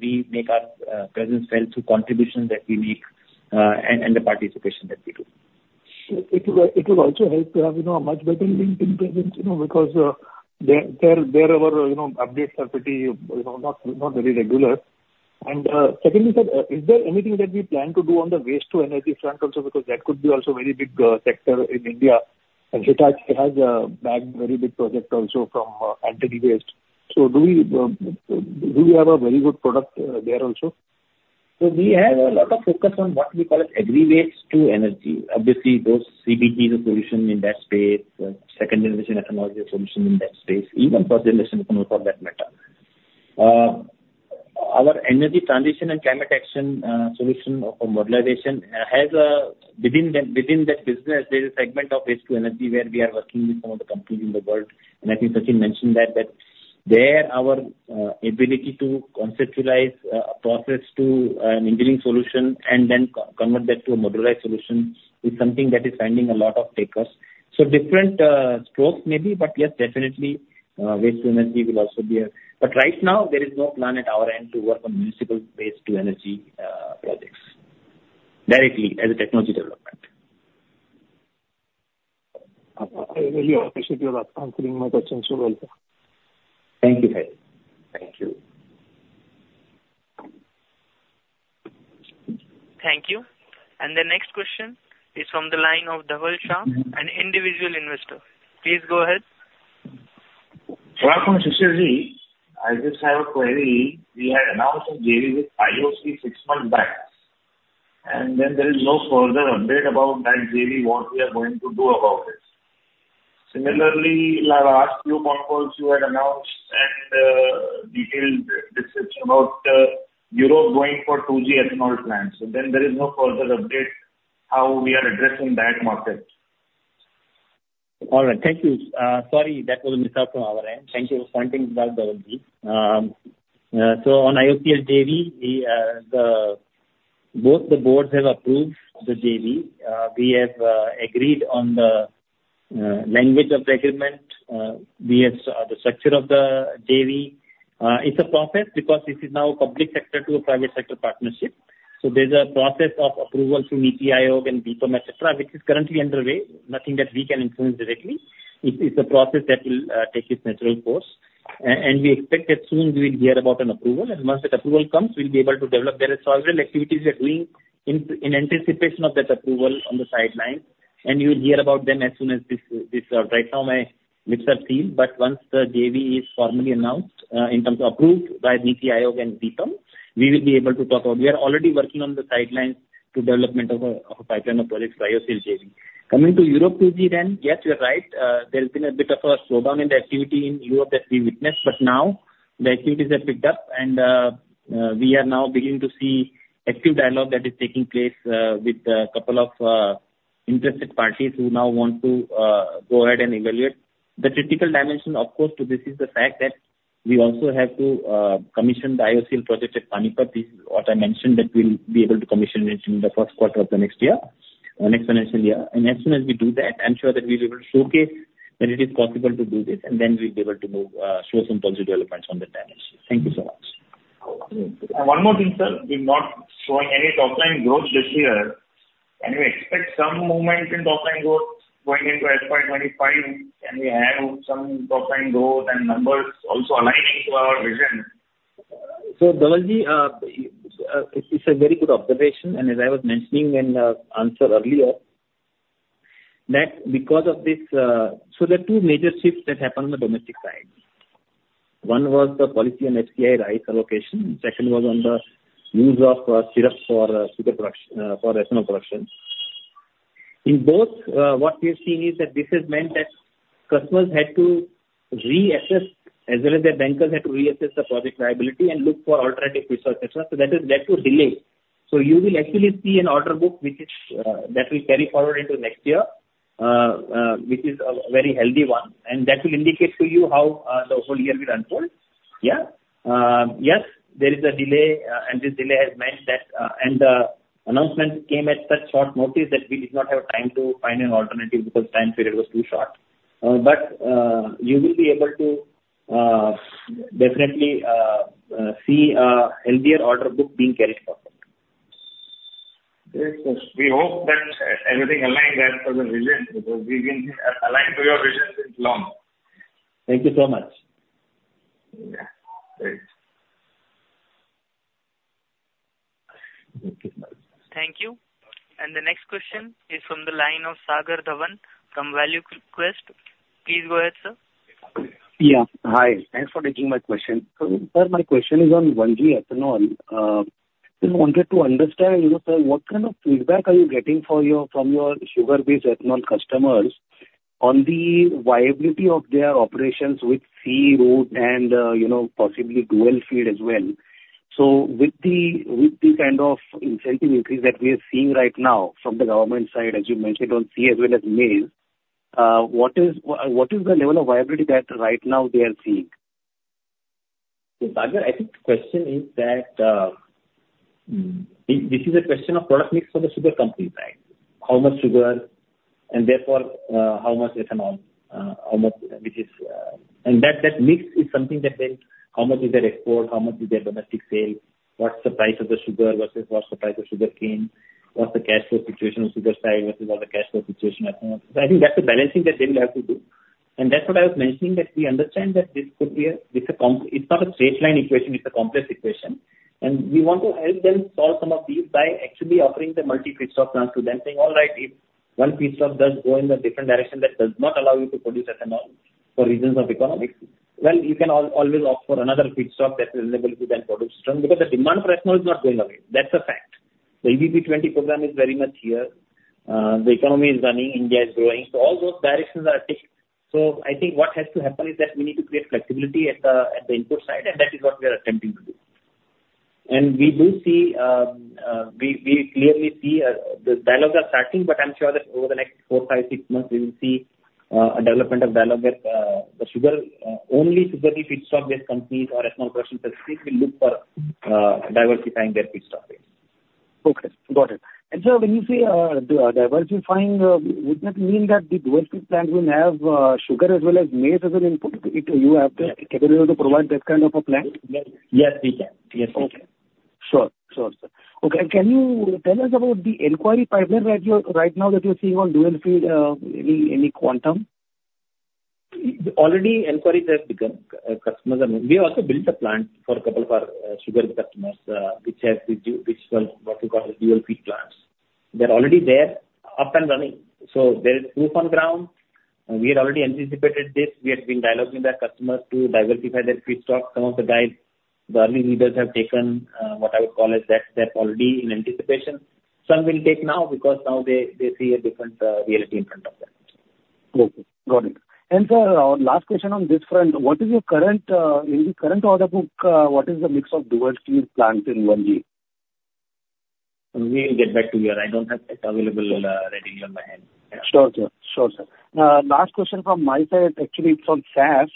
we make our presence felt through contributions that we make, and the participation that we do. Sure. It will also help to have, you know, a much better LinkedIn presence, you know, because there our, you know, updates are pretty, you know, not very regular. And secondly, sir, is there anything that we plan to do on the waste to energy front also? Because that could be also very big sector in India, and Hitachi has bagged very big project also from Anthony Waste. So do we have a very good product there also? So we have a lot of focus on what we call as aggregates to energy. Obviously, those CBG is a solution in that space. Second generation technology solution in that space, even first generation for that matter. Our energy transition and climate action solution for modularization has a... Within that, within that business, there is a segment of waste to energy, where we are working with some of the companies in the world, and I think Sachin mentioned that, that there our ability to conceptualize a process to an engineering solution and then convert that to a modularized solution, is something that is finding a lot of takers. So different strokes maybe, but yes, definitely, waste to energy will also be a. But right now, there is no plan at our end to work on municipal waste to energy projects. Directly, as a technology development. I really appreciate your answering my questions so well, sir. Thank you. Thank you. Thank you. The next question is from the line of Dhaval Shah, an individual investor. Please go ahead. ...Good afternoon, Shishirji. I just have a query. We had announced a JV with IOC six months back, and then there is no further update about that JV, what we are going to do about it. Similarly, in our last few conferences, you had announced and detailed discussion about Europe going for 2G ethanol plants, so then there is no further update how we are addressing that market. All right. Thank you. Sorry, that was a mishap from our end. Thank you for pointing it out, Daljit. So on IOCL JV, both the boards have approved the JV. We have agreed on the language of the agreement, we have the structure of the JV. It's a process because this is now a public sector to a private sector partnership. So there's a process of approval from NITI Aayog and DIPAM, et cetera, which is currently underway, nothing that we can influence directly. It's a process that will take its natural course. And we expect that soon we will hear about an approval, and once that approval comes, we'll be able to develop. There is several activities we are doing in anticipation of that approval on the sideline, and you will hear about them as soon as this. Right now, my lips are sealed, but once the JV is formally announced, in terms of approved by NITI Aayog and DIPAM, we will be able to talk about. We are already working on the sidelines to development of a pipeline of projects for IOCL JV. Coming to Europe 2G, then, yes, you're right. There's been a bit of a slowdown in the activity in Europe that we witnessed, but now the activities have picked up, and we are now beginning to see active dialogue that is taking place with a couple of interested parties who now want to go ahead and evaluate. The critical dimension, of course, to this is the fact that we also have to commission the IOCL project at Panipat. This is what I mentioned, that we'll be able to commission it in the first quarter of the next year, next financial year. And as soon as we do that, I'm sure that we'll be able to showcase that it is possible to do this, and then we'll be able to move show some positive developments on that dimension. Thank you so much. One more thing, sir. We're not showing any top line growth this year. Can we expect some movement in top line growth going into FY 25? Can we have some top line growth and numbers also aligning to our vision? So Daljit, it's a very good observation, and as I was mentioning in the answer earlier, that because of this... So there are two major shifts that happened on the domestic side. One was the policy on FCI rice allocation, second was on the use of syrup for sugar production for ethanol production. In both, what we have seen is that this has meant that customers had to reassess, as well as their bankers had to reassess the project viability and look for alternative resources, et cetera, so that is, that will delay. So you will actually see an order book which is that will carry forward into next year, which is a very healthy one. And that will indicate to you how the whole year will unfold. Yeah. Yes, there is a delay, and this delay has meant that... And the announcement came at such short notice that we did not have time to find an alternative because time period was too short. But, you will be able to definitely see a healthier order book being carried forward. Great. We hope that everything align as per the vision, because we've been aligned to your vision since long. Thank you so much. Yeah. Great. Thank you so much. Thank you. The next question is from the line of Sagar Dhawan from ValueQuest. Please go ahead, sir. Yeah. Hi. Thanks for taking my question. Sir, my question is on 1G ethanol. Just wanted to understand, you know, sir, what kind of feedback are you getting for your, from your sugar-based ethanol customers on the viability of their operations with C route, and, you know, possibly dual feed as well? So with the kind of incentive increase that we are seeing right now from the government side, as you mentioned, on C as well as maize, what is, what is the level of viability that right now they are seeing? So, Sagar, I think the question is that this is a question of product mix for the sugar companies, right? How much sugar, and therefore, how much ethanol, how much, which is... And that mix is something that says, how much is their export, how much is their domestic sale? What's the price of the sugar versus what's the price of the sugarcane? What's the cash flow situation of sugar side versus what's the cash flow situation at the moment? I think that's the balancing that they will have to do. And that's what I was mentioning, that we understand that this could be a, it's not a straight line equation, it's a complex equation. We want to help them solve some of these by actually offering the multi-feedstock plant to them, saying: "All right, if one feedstock does go in a different direction, that does not allow you to produce ethanol for reasons of economics, well, you can always opt for another feedstock that is available to then produce ethanol." Because the demand for ethanol is not going away. That's a fact. The EBP 20 program is very much here. The economy is running, India is growing, so all those directions are ticking. So I think what has to happen is that we need to create flexibility at the input side, and that is what we are attempting to do. We do see we clearly see the dialogues are starting, but I'm sure that over the next four, five, six months, we will see a development of dialogue where the sugar-only sugary feedstock-based companies or ethanol production facilities will look for diversifying their feedstock base. Okay, got it. And so when you say diversifying, would that mean that the diversified plants will have sugar as well as maize as an input? You have the capability to provide that kind of a plant? Yes, we can. Yes, we can. Okay. Sure. Sure, sir. Okay, can you tell us about the inquiry pipeline that you're right now that you're seeing on dual feed, any, any quantum? Already inquiries have begun. Customers are now. We also built a plant for a couple of our sugar customers, which was what we call the dual feed plants. They're already there, up and running. So there is proof on ground, and we had already anticipated this. We had been dialoguing with our customers to diversify their feedstock. Some of the guys, the early leaders, have taken what I would call as that step already in anticipation. Some will take now because now they see a different reality in front of them. Okay, got it. And sir, last question on this front. What is your current, in the current order book, what is the mix of dual feed plants in one year? We'll get back to you on that. I don't have it available, readily on my hand. Sure, sir. Sure, sir. Last question from my side, actually, it's on SAF.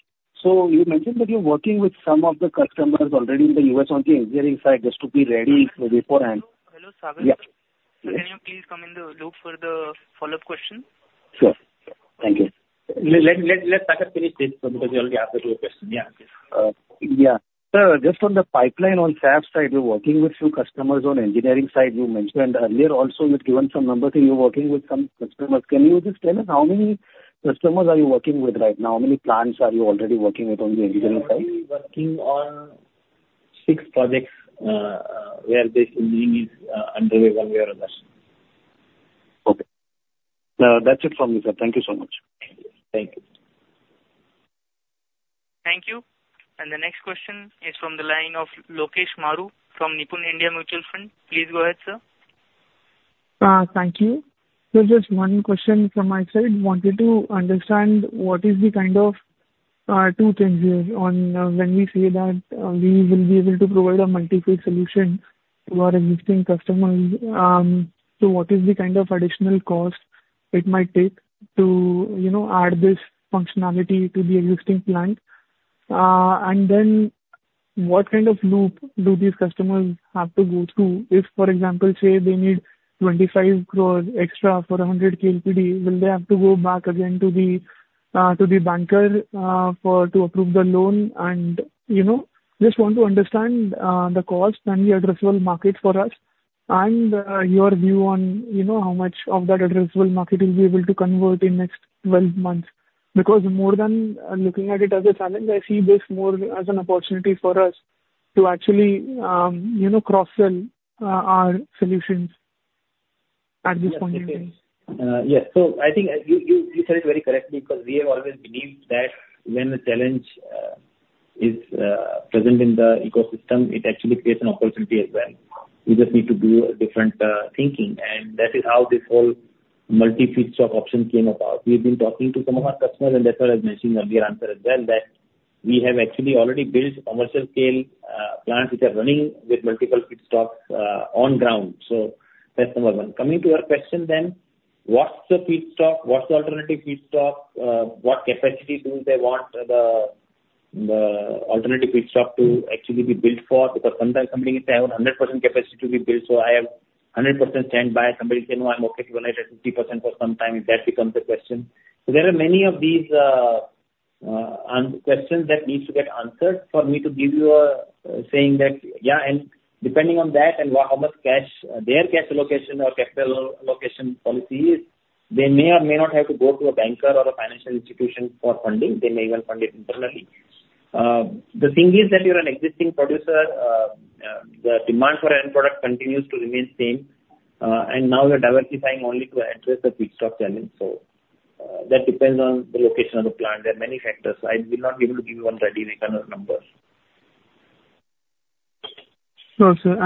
So you mentioned that you're working with some of the customers already in the U.S. on the engineering side, just to be ready beforehand. Hello, Sagar? Yeah. Can you please come in the loop for the follow-up question? Sure. Thank you. Let Sagar finish this one because he already asked you a question. Yeah. Yeah. Sir, just on the pipeline on SAF side, you're working with few customers on engineering side, you mentioned earlier also, you've given some numbers and you're working with some customers. Can you just tell us how many customers are you working with right now? How many plants are you already working with on the engineering side? We are working on six projects, where this engineering is underway one way or other. Okay. That's it from me, sir. Thank you so much. Thank you. Thank you. And the next question is from the line of Lokesh Maru from Nippon India Mutual Fund. Please go ahead, sir. Thank you. So just one question from my side. Wanted to understand what is the kind of two changes on when we say that we will be able to provide a multi-feed solution to our existing customers. So what is the kind of additional cost it might take to, you know, add this functionality to the existing plant? And then, what kind of loop do these customers have to go through if, for example, say, they need 25 crore extra for 100 KLPD, will they have to go back again to the banker for to approve the loan? And, you know, just want to understand the cost and the addressable market for us, and your view on, you know, how much of that addressable market you'll be able to convert in next 12 months. Because more than looking at it as a challenge, I see this more as an opportunity for us to actually, you know, cross-sell our solutions at this point in time. Yes. So I think you said it very correctly, because we have always believed that when a challenge is present in the ecosystem, it actually creates an opportunity as well. We just need to do a different thinking, and that is how this whole multi-feedstock option came about. We've been talking to some of our customers, and that's what I was mentioning in earlier answer as well, that we have actually already built commercial scale plants, which are running with multiple feedstocks on ground. So that's number 1. Coming to your question then, what's the feedstock? What's the alternative feedstock? What capacity do they want the alternative feedstock to actually be built for? Because sometimes somebody can say, "I have 100% capacity to be built, so I have 100% standby." Somebody can say, "Well, I'm okay to run it at 50% for some time," if that becomes the question. So there are many of these questions that needs to get answered for me to give you a saying that... Yeah, and depending on that, and how much cash, their cash location or capital location policy is, they may or may not have to go to a banker or a financial institution for funding. They may even fund it internally. The thing is that you're an existing producer, the demand for end product continues to remain same, and now you're diversifying only to address the feedstock challenge. So, that depends on the location of the plant. There are many factors. I will not be able to give you one ready-made kind of numbers. No, sir.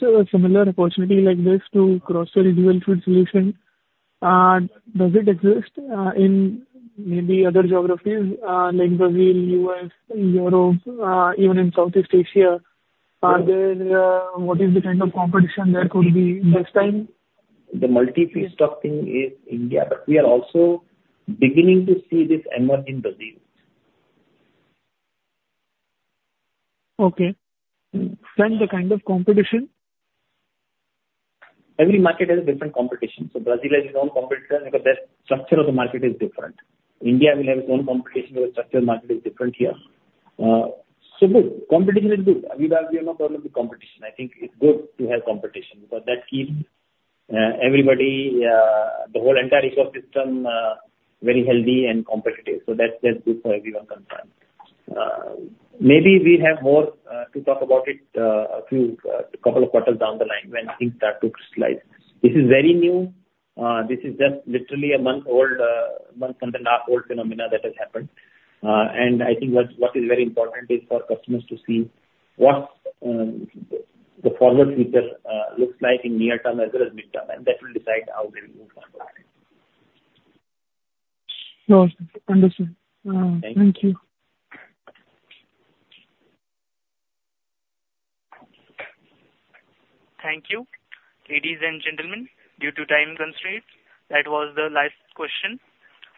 So a similar opportunity like this to cross-sell dual feed solution, does it exist in maybe other geographies like Brazil, U.S., Europe, even in Southeast Asia? Are there... What is the kind of competition there could be next time? The multi-feedstock thing is India, but we are also beginning to see this emerge in Brazil. Okay. The kind of competition? Every market has a different competition, so Brazil has its own competition because the structure of the market is different. India will have its own competition because structure of the market is different here. So good. Competition is good. We have, we have no problem with competition. I think it's good to have competition, because that keeps everybody, the whole entire ecosystem very healthy and competitive. So that's, that's good for everyone concerned. Maybe we have more to talk about it, a few couple of quarters down the line when things start to crystallize. This is very new. This is just literally a month old, month-and-a-half old phenomena that has happened. I think what is very important is for customers to see what the forward future looks like in near term as well as midterm, and that will decide how we will move forward. Sure, sir. Understood. Thank you. Thank you. Thank you. Ladies and gentlemen, due to time constraints, that was the last question.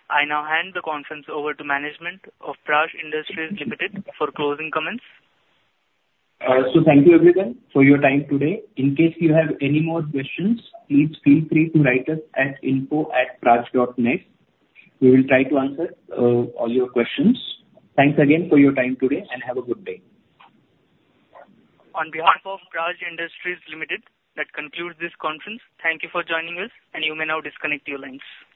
I now hand the conference over to management of Praj Industries Limited for closing comments. Thank you, everyone, for your time today. In case you have any more questions, please feel free to write us at info@praj.net. We will try to answer all your questions. Thanks again for your time today, and have a good day. On behalf of Praj Industries Limited, that concludes this conference. Thank you for joining us, and you may now disconnect your lines.